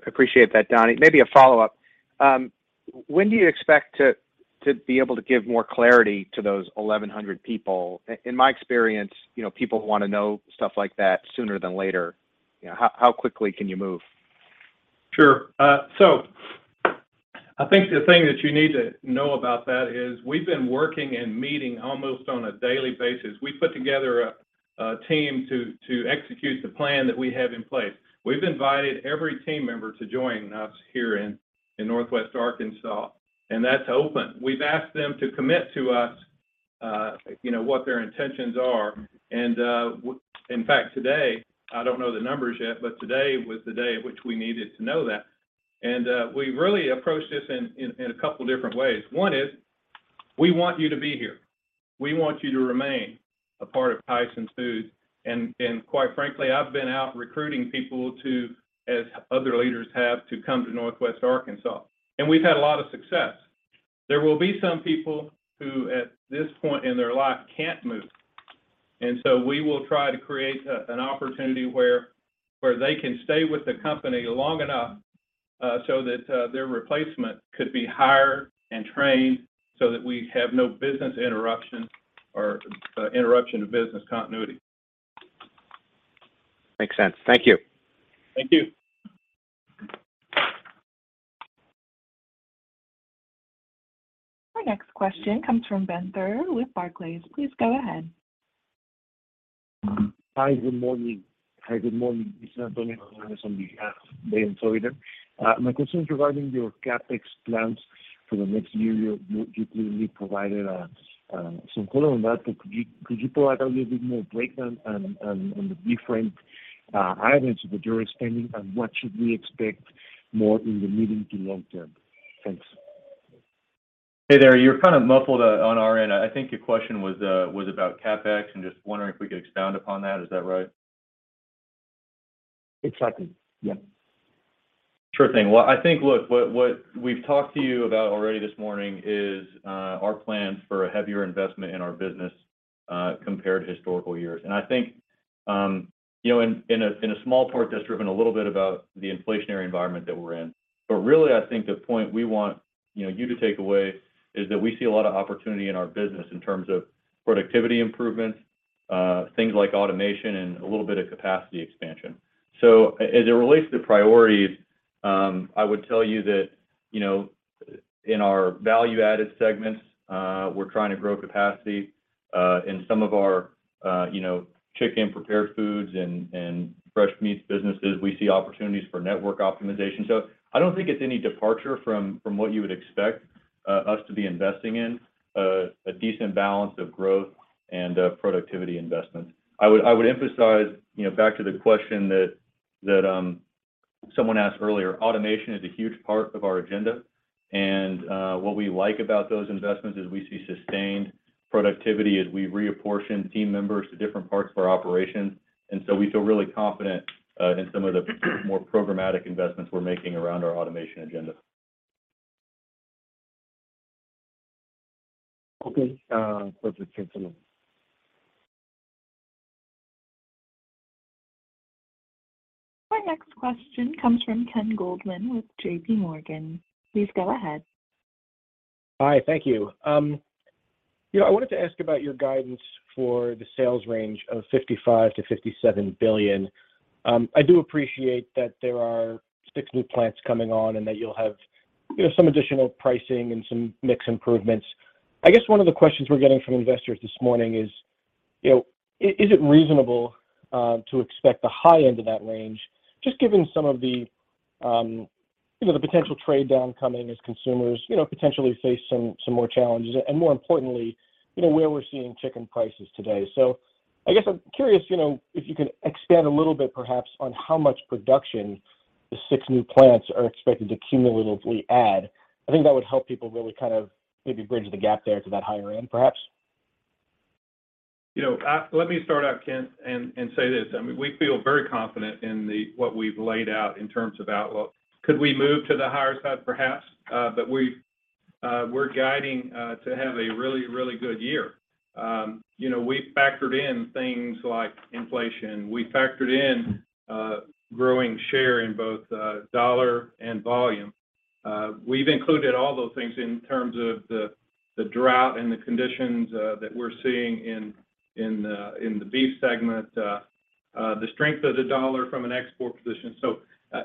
Appreciate that, Donnie. Maybe a follow-up. When do you expect to be able to give more clarity to those 1,100 people? In my experience, you know, people wanna know stuff like that sooner than later. You know, how quickly can you move? I think the thing that you need to know about that is we've been working and meeting almost on a daily basis. We put together a team to execute the plan that we have in place. We've invited every team member to join us here in Northwest Arkansas, and that's open. We've asked them to commit to us, you know, what their intentions are. In fact, today, I don't know the numbers yet, but today was the day at which we needed to know that. We've really approached this in a couple different ways. One is we want you to be here. We want you to remain a part of Tyson Foods. Quite frankly, I've been out recruiting people to, as other leaders have, to come to Northwest Arkansas. We've had a lot of success. There will be some people who at this point in their life can't move, and so we will try to create an opportunity where they can stay with the company long enough, so that their replacement could be hired and trained so that we have no business interruption or interruption of business continuity. Makes sense. Thank you. Thank you. Our next question comes from Ben Theurer with Barclays. Please go ahead. Hi, good morning. Hi, good morning. This is Benjamin Theurer on the Barclays side. My question is regarding your CapEx plans for the next year. You clearly provided some color on that, but could you provide a little bit more breakdown on the different items that you're spending, and what should we expect more in the medium to long term? Thanks. Hey there. You're kind of muffled on our end. I think your question was about CapEx, and just wondering if we could expound upon that. Is that right? Exactly, yeah. Sure thing. Well, I think what we've talked to you about already this morning is our plans for a heavier investment in our business compared to historical years. I think you know in a small part that's driven a little bit by the inflationary environment that we're in. Really, I think the point we want you know you to take away is that we see a lot of opportunity in our business in terms of productivity improvements, things like automation and a little bit of capacity expansion. As it relates to priorities, I would tell you that you know in our value-added segments we're trying to grow capacity. In some of our you know chicken prepared foods and fresh meats businesses, we see opportunities for network optimization. I don't think it's any departure from what you would expect us to be investing in a decent balance of growth and productivity investments. I would emphasize, you know, back to the question that someone asked earlier, automation is a huge part of our agenda, and what we like about those investments is we see sustained productivity as we reapportion team members to different parts of our operations. We feel really confident in some of the more programmatic investments we're making around our automation agenda. Okay. Operator, cancel me. Our next question comes from Ken Goldman with JPMorgan. Please go ahead. Hi, thank you. You know, I wanted to ask about your guidance for the sales range of $55 billion-$57 billion. I do appreciate that there are six new plants coming on and that you'll have, you know, some additional pricing and some mix improvements. I guess one of the questions we're getting from investors this morning is, you know, is it reasonable to expect the high end of that range, just given some of the, you know, the potential trade down coming as consumers, you know, potentially face some more challenges, and more importantly, you know, where we're seeing chicken prices today. I guess I'm curious, you know, if you could expand a little bit perhaps on how much production the six new plants are expected to cumulatively add. I think that would help people really kind of maybe bridge the gap there to that higher end, perhaps. You know, Let me start out, Ken, and say this. I mean, we feel very confident in what we've laid out in terms of outlook. Could we move to the higher side? Perhaps. We are guiding to have a really good year. You know, we've factored in things like inflation. We've factored in growing share in both dollar and volume. We've included all those things in terms of the drought and the conditions that we're seeing in the beef segment, the strength of the dollar from an export position.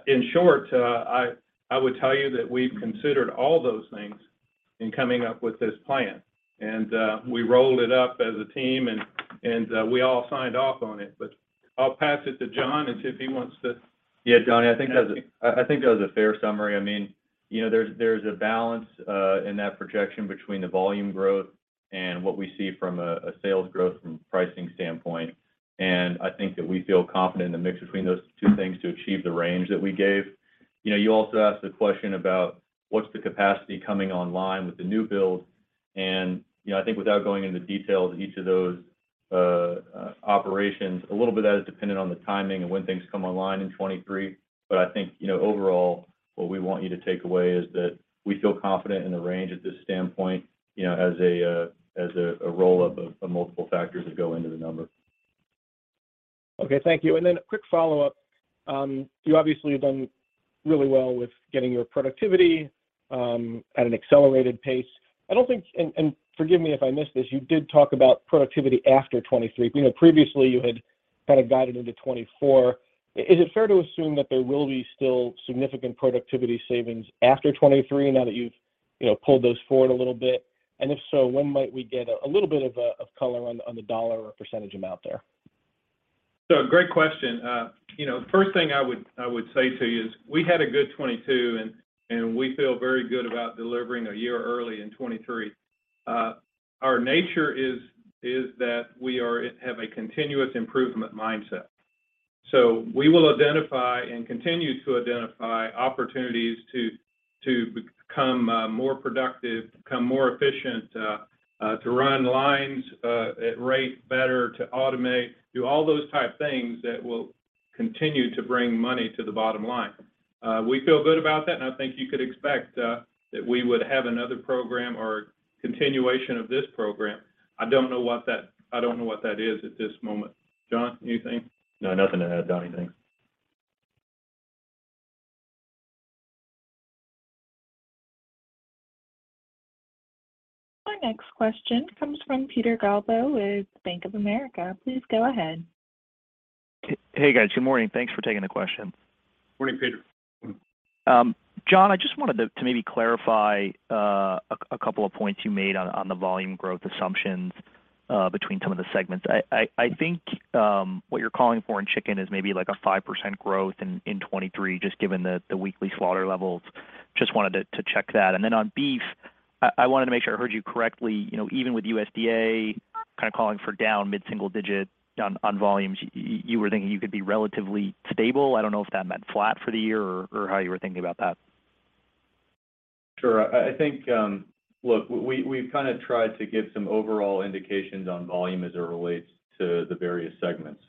In short, I would tell you that we've considered all those things in coming up with this plan, and we rolled it up as a team and we all signed off on it. I'll pass it to John and see if he wants to. Yeah, John, I think that was a fair summary. I mean, you know, there's a balance in that projection between the volume growth and what we see from a sales growth from pricing standpoint. I think that we feel confident in the mix between those two things to achieve the range that we gave. You know, you also asked the question about what's the capacity coming online with the new build. You know, I think without going into details of each of those operations, a little bit of that is dependent on the timing and when things come online in 2023. I think, you know, overall, what we want you to take away is that we feel confident in the range at this standpoint, you know, as a roll-up of multiple factors that go into the number. Okay, thank you. A quick follow-up. You obviously have done really well with getting your productivity at an accelerated pace. I don't think, and forgive me if I missed this, you did talk about productivity after 2023. You know, previously you had kind of guided into 2024. Is it fair to assume that there will be still significant productivity savings after 2023 now that you've, you know, pulled those forward a little bit? If so, when might we get a little bit of of color on the dollar or percentage amount there? Great question. You know, first thing I would say to you is we had a good 2022 and we feel very good about delivering a year early in 2023. Our nature is that we have a continuous improvement mindset. We will identify and continue to identify opportunities to become more productive, become more efficient, to run lines at rate better, to automate, do all those type of things that will continue to bring money to the bottom line. We feel good about that, and I think you could expect that we would have another program or continuation of this program. I don't know what that is at this moment. John, anything? No, nothing to add, Donnie. Thanks. Our next question comes from Peter Galbo with Bank of America. Please go ahead. Hey, guys. Good morning. Thanks for taking the question. Morning, Peter. John, I just wanted to maybe clarify a couple of points you made on the volume growth assumptions between some of the segments. I think what you're calling for in chicken is maybe like a 5% growth in 2023 just given the weekly slaughter levels. Just wanted to check that. On beef, I wanted to make sure I heard you correctly. You know, even with USDA kind of calling for down mid-single digit on volumes, you were thinking you could be relatively stable. I don't know if that meant flat for the year or how you were thinking about that. Sure. I think, look, we've kind of tried to give some overall indications on volume as it relates to the various segments.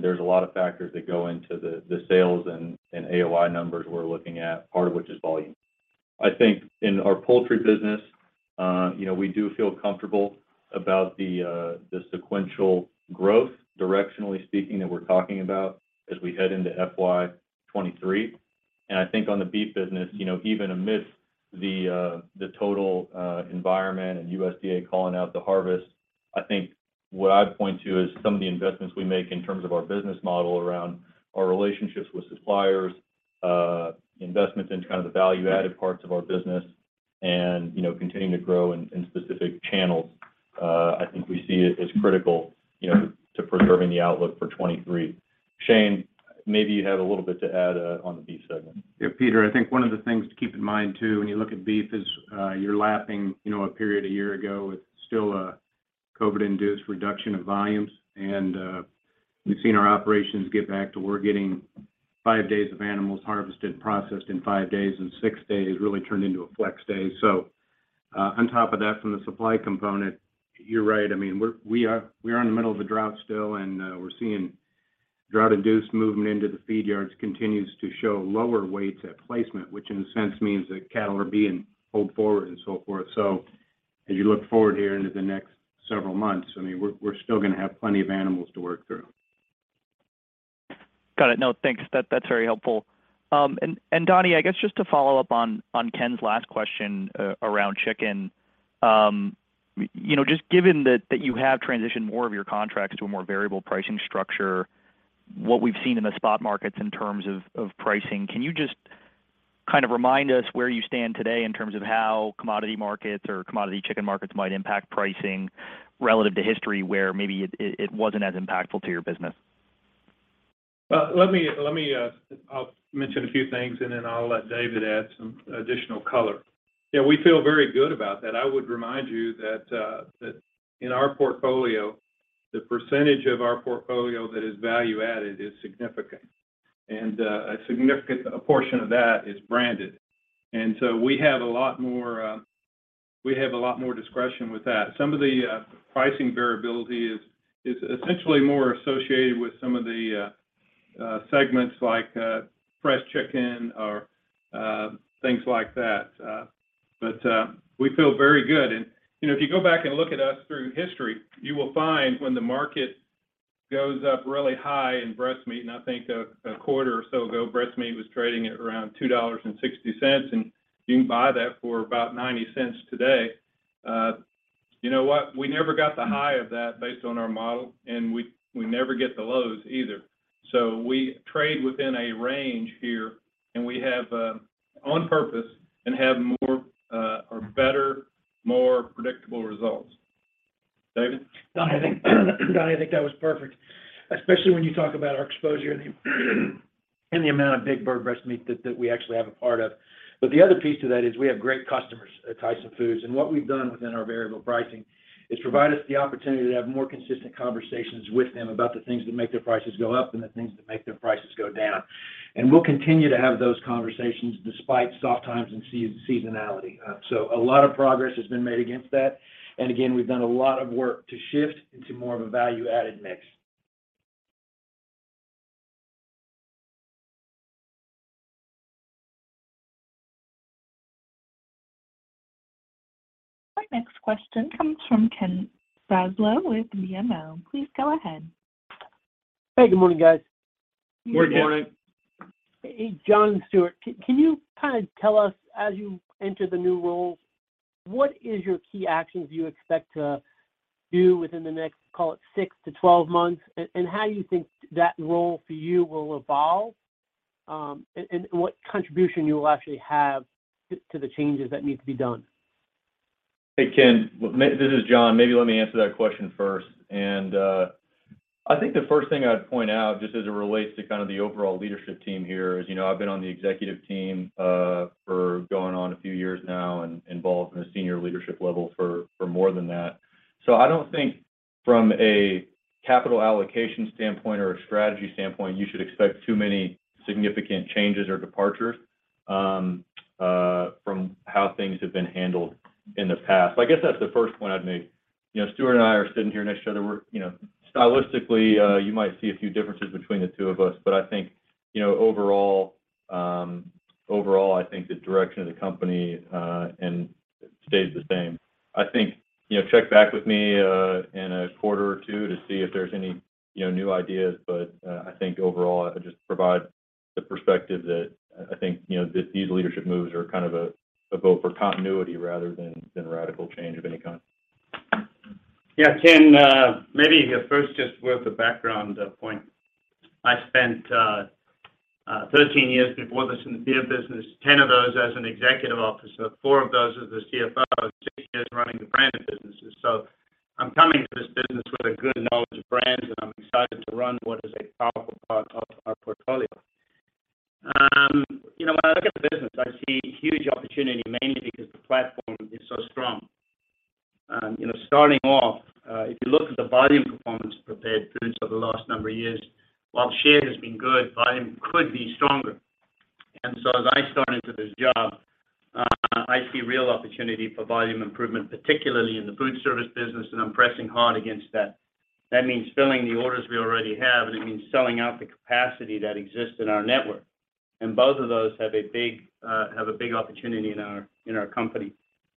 There's a lot of factors that go into the sales and AOI numbers we're looking at, part of which is volume. I think in our poultry business, you know, we do feel comfortable about the sequential growth directionally speaking that we're talking about as we head into FY 2023. I think on the beef business, you know, even amidst the total environment and USDA calling out the harvest, I think what I'd point to is some of the investments we make in terms of our business model around our relationships with suppliers, investments in kind of the value-added parts of our business and, you know, continuing to grow in specific channels. I think we see it as critical, you know, to preserving the outlook for 2023. Shane, maybe you have a little bit to add on the beef segment. Yeah, Peter, I think one of the things to keep in mind too, when you look at beef is, you're lapping, you know, a period a year ago with still a COVID-induced reduction of volumes. We've seen our operations get back to where we're getting five days of animals harvested and processed in five days, and six days really turned into a flex day. On top of that from the supply component, you're right. I mean, we are in the middle of a drought still, and we're seeing drought-induced movement into the feed yards continues to show lower weights at placement, which in a sense means that cattle are being pulled forward and so forth. As you look forward here into the next several months, I mean, we're still gonna have plenty of animals to work through. Got it. No, thanks. That's very helpful. Donnie, I guess just to follow up on Ken's last question around chicken. You know, just given that you have transitioned more of your contracts to a more variable pricing structure, what we've seen in the spot markets in terms of pricing, can you just kind of remind us where you stand today in terms of how commodity markets or commodity chicken markets might impact pricing relative to history where maybe it wasn't as impactful to your business? Let me mention a few things and then I'll let David add some additional color. Yeah, we feel very good about that. I would remind you that in our portfolio, the percentage of our portfolio that is value added is significant. A significant portion of that is branded. We have a lot more discretion with that. Some of the pricing variability is essentially more associated with some of the segments like fresh chicken or things like that. We feel very good. You know, if you go back and look at us through history, you will find when the market goes up really high in breast meat, and I think a quarter or so ago, breast meat was trading at around $2.60, and you can buy that for about $0.90 today. You know what? We never got the high of that based on our model, and we never get the lows either. We trade within a range here, and we have on purpose and have more or better, more predictable results. David? Donnie, I think, Donnie, I think that was perfect, especially when you talk about our exposure and the amount of big bird breast meat that we actually have a part of. The other piece to that is we have great customers at Tyson Foods. What we've done within our variable pricing is provide us the opportunity to have more consistent conversations with them about the things that make their prices go up and the things that make their prices go down. We'll continue to have those conversations despite soft times and seasonality. A lot of progress has been made against that. Again, we've done a lot of work to shift into more of a value-added mix. Our next question comes from Ken Zaslow with BMO. Please go ahead. Hey, good morning, guys. Good morning. Hey, John and Stewart. Can you kind of tell us, as you enter the new roles, what is your key actions you expect to do within the next, call it 6-12 months, and how you think that role for you will evolve, and what contribution you will actually have to the changes that need to be done? Hey, Ken. This is John. Maybe let me answer that question first. I think the first thing I'd point out, just as it relates to kind of the overall leadership team here is, you know, I've been on the executive team for going on a few years now and involved in a senior leadership level for more than that. I don't think from a capital allocation standpoint or a strategy standpoint, you should expect too many significant changes or departures from how things have been handled in the past. I guess that's the first point I'd make. You know, Stewart and I are sitting here next to each other. We're, you know, stylistically, you might see a few differences between the two of us, but I think, you know, overall, I think the direction of the company stays the same. I think, you know, check back with me in a quarter or two to see if there's any, you know, new ideas. I think overall, I just provide the perspective that I think, you know, these leadership moves are kind of a vote for continuity rather than radical change of any kind. Yeah, Ken, maybe first just with a background point. I spent 13 years before this in the beer business, 10 of those as an executive officer, four of those as a CFO, six years running the branded businesses. I'm coming to this business with a good knowledge of brands, and I'm excited to run what is a powerful part of our portfolio. You know, when I look at the business, I see huge opportunity, mainly because the platform is so strong. You know, starting off, if you look at the volume performance of Prepared Foods over the last number of years, while share has been good, volume could be stronger. As I start into this job, I see real opportunity for volume improvement, particularly in the foodservice business, and I'm pressing hard against that. That means filling the orders we already have, and it means selling out the capacity that exists in our network. Both of those have a big opportunity in our company.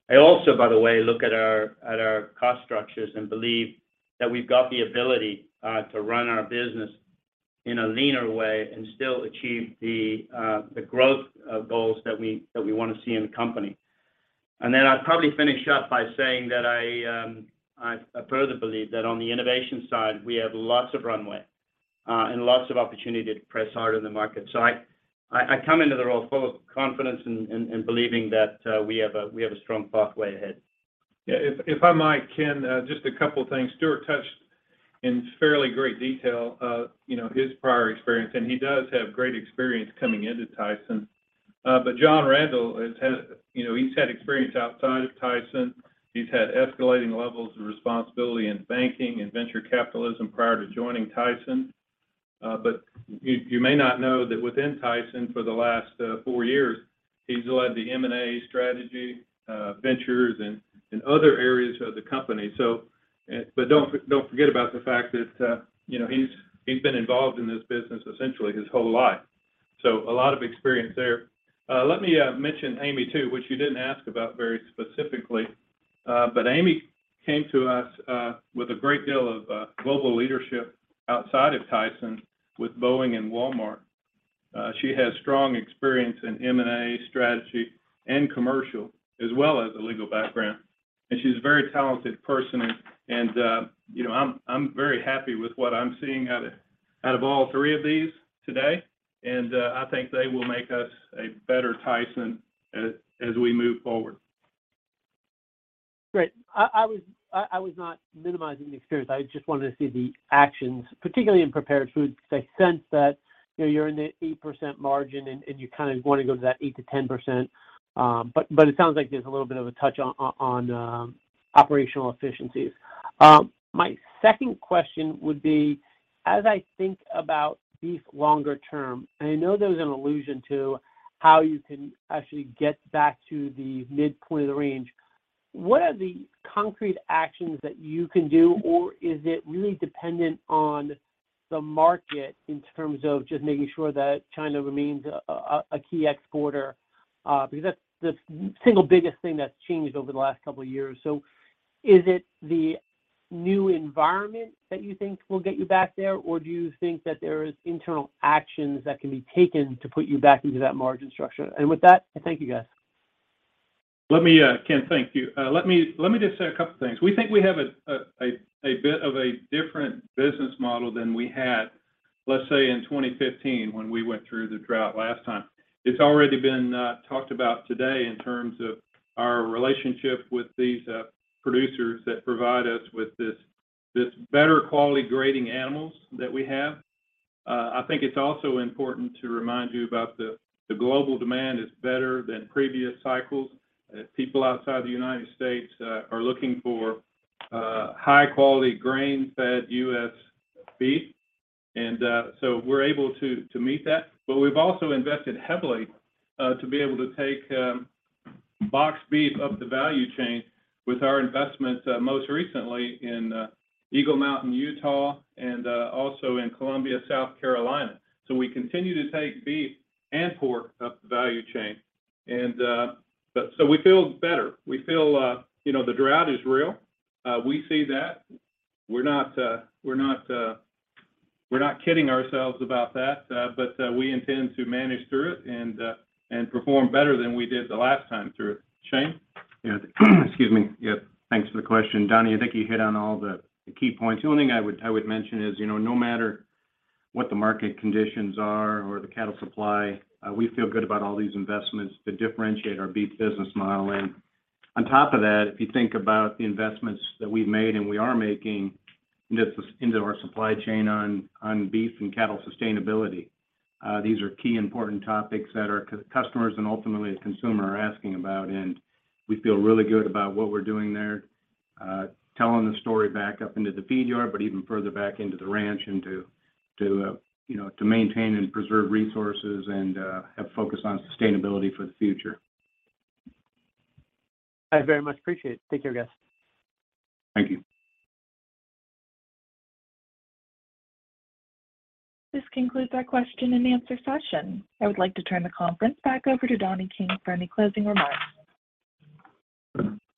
I also, by the way, look at our cost structures and believe that we've got the ability to run our business in a leaner way and still achieve the growth goals that we wanna see in the company. I'd probably finish up by saying that I further believe that on the innovation side, we have lots of runway and lots of opportunity to press harder in the market. I come into the role full of confidence and believing that we have a strong pathway ahead. Yeah, if I might, Ken, just a couple things. Stewart touched on, in fairly great detail, you know, his prior experience. He does have great experience coming into Tyson. John Randal has had, you know, he's had experience outside of Tyson. He's had escalating levels of responsibility in banking and venture capital prior to joining Tyson. You may not know that within Tyson, for the last four years, he's led the M&A strategy, ventures and other areas of the company. Don't forget about the fact that, you know, he's been involved in this business essentially his whole life, so a lot of experience there. Let me mention Amy Tu, which you didn't ask about very specifically. Amy came to us with a great deal of global leadership outside of Tyson with Boeing and Walmart. She has strong experience in M&A strategy and commercial, as well as a legal background, and she's a very talented person. You know, I'm very happy with what I'm seeing out of all three of these today, and I think they will make us a better Tyson as we move forward. Great. I was not minimizing the experience. I just wanted to see the actions, particularly in prepared foods, because I sense that, you know, you're in the 8% margin and you kind of want to go to that 8%-10%. But it sounds like there's a little bit of a touch on operational efficiencies. My second question would be, as I think about beef longer term, and I know there's an allusion to how you can actually get back to the midpoint of the range, what are the concrete actions that you can do? Or is it really dependent on the market in terms of just making sure that China remains a key exporter, because that's the single biggest thing that's changed over the last couple of years. Is it the new environment that you think will get you back there, or do you think that there is internal actions that can be taken to put you back into that margin structure? With that, I thank you guys. Let me, Ken, thank you. Let me just say a couple things. We think we have a bit of a different business model than we had, let's say, in 2015 when we went through the drought last time. It's already been talked about today in terms of our relationship with these producers that provide us with this better quality grading animals that we have. I think it's also important to remind you about the global demand is better than previous cycles. People outside the United States are looking for high-quality grain-fed U.S. beef, and so we're able to meet that. We've also invested heavily to be able to take box beef up the value chain with our investments, most recently in Eagle Mountain, Utah, and also in Columbia, South Carolina. We continue to take beef and pork up the value chain. We feel better. We feel, you know, the drought is real. We see that. We're not kidding ourselves about that, but we intend to manage through it and perform better than we did the last time through it. Shane? Yeah. Excuse me. Yeah, thanks for the question. Donnie, I think you hit on all the key points. The only thing I would mention is, you know, no matter what the market conditions are or the cattle supply, we feel good about all these investments that differentiate our beef business model. On top of that, if you think about the investments that we've made and we are making into our supply chain on beef and cattle sustainability, these are key important topics that our customers and ultimately the consumer are asking about, and we feel really good about what we're doing there. Telling the story back up into the feed yard, but even further back into the ranch and to, you know, to maintain and preserve resources and have focus on sustainability for the future. I very much appreciate it. Take care, guys. Thank you. This concludes our question-and-answer session. I would like to turn the conference back over to Donnie King for any closing remarks.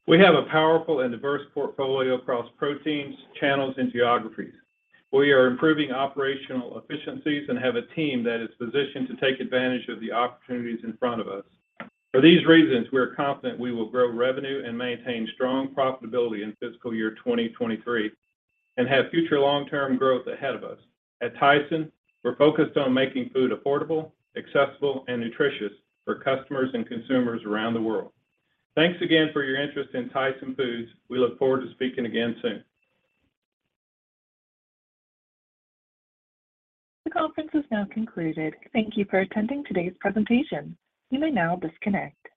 We have a powerful and diverse portfolio across proteins, channels, and geographies. We are improving operational efficiencies and have a team that is positioned to take advantage of the opportunities in front of us. For these reasons, we are confident we will grow revenue and maintain strong profitability in fiscal year 2023 and have future long-term growth ahead of us. At Tyson, we're focused on making food affordable, accessible, and nutritious for customers and consumers around the world. Thanks again for your interest in Tyson Foods. We look forward to speaking again soon. The conference has now concluded. Thank you for attending today's presentation. You may now disconnect.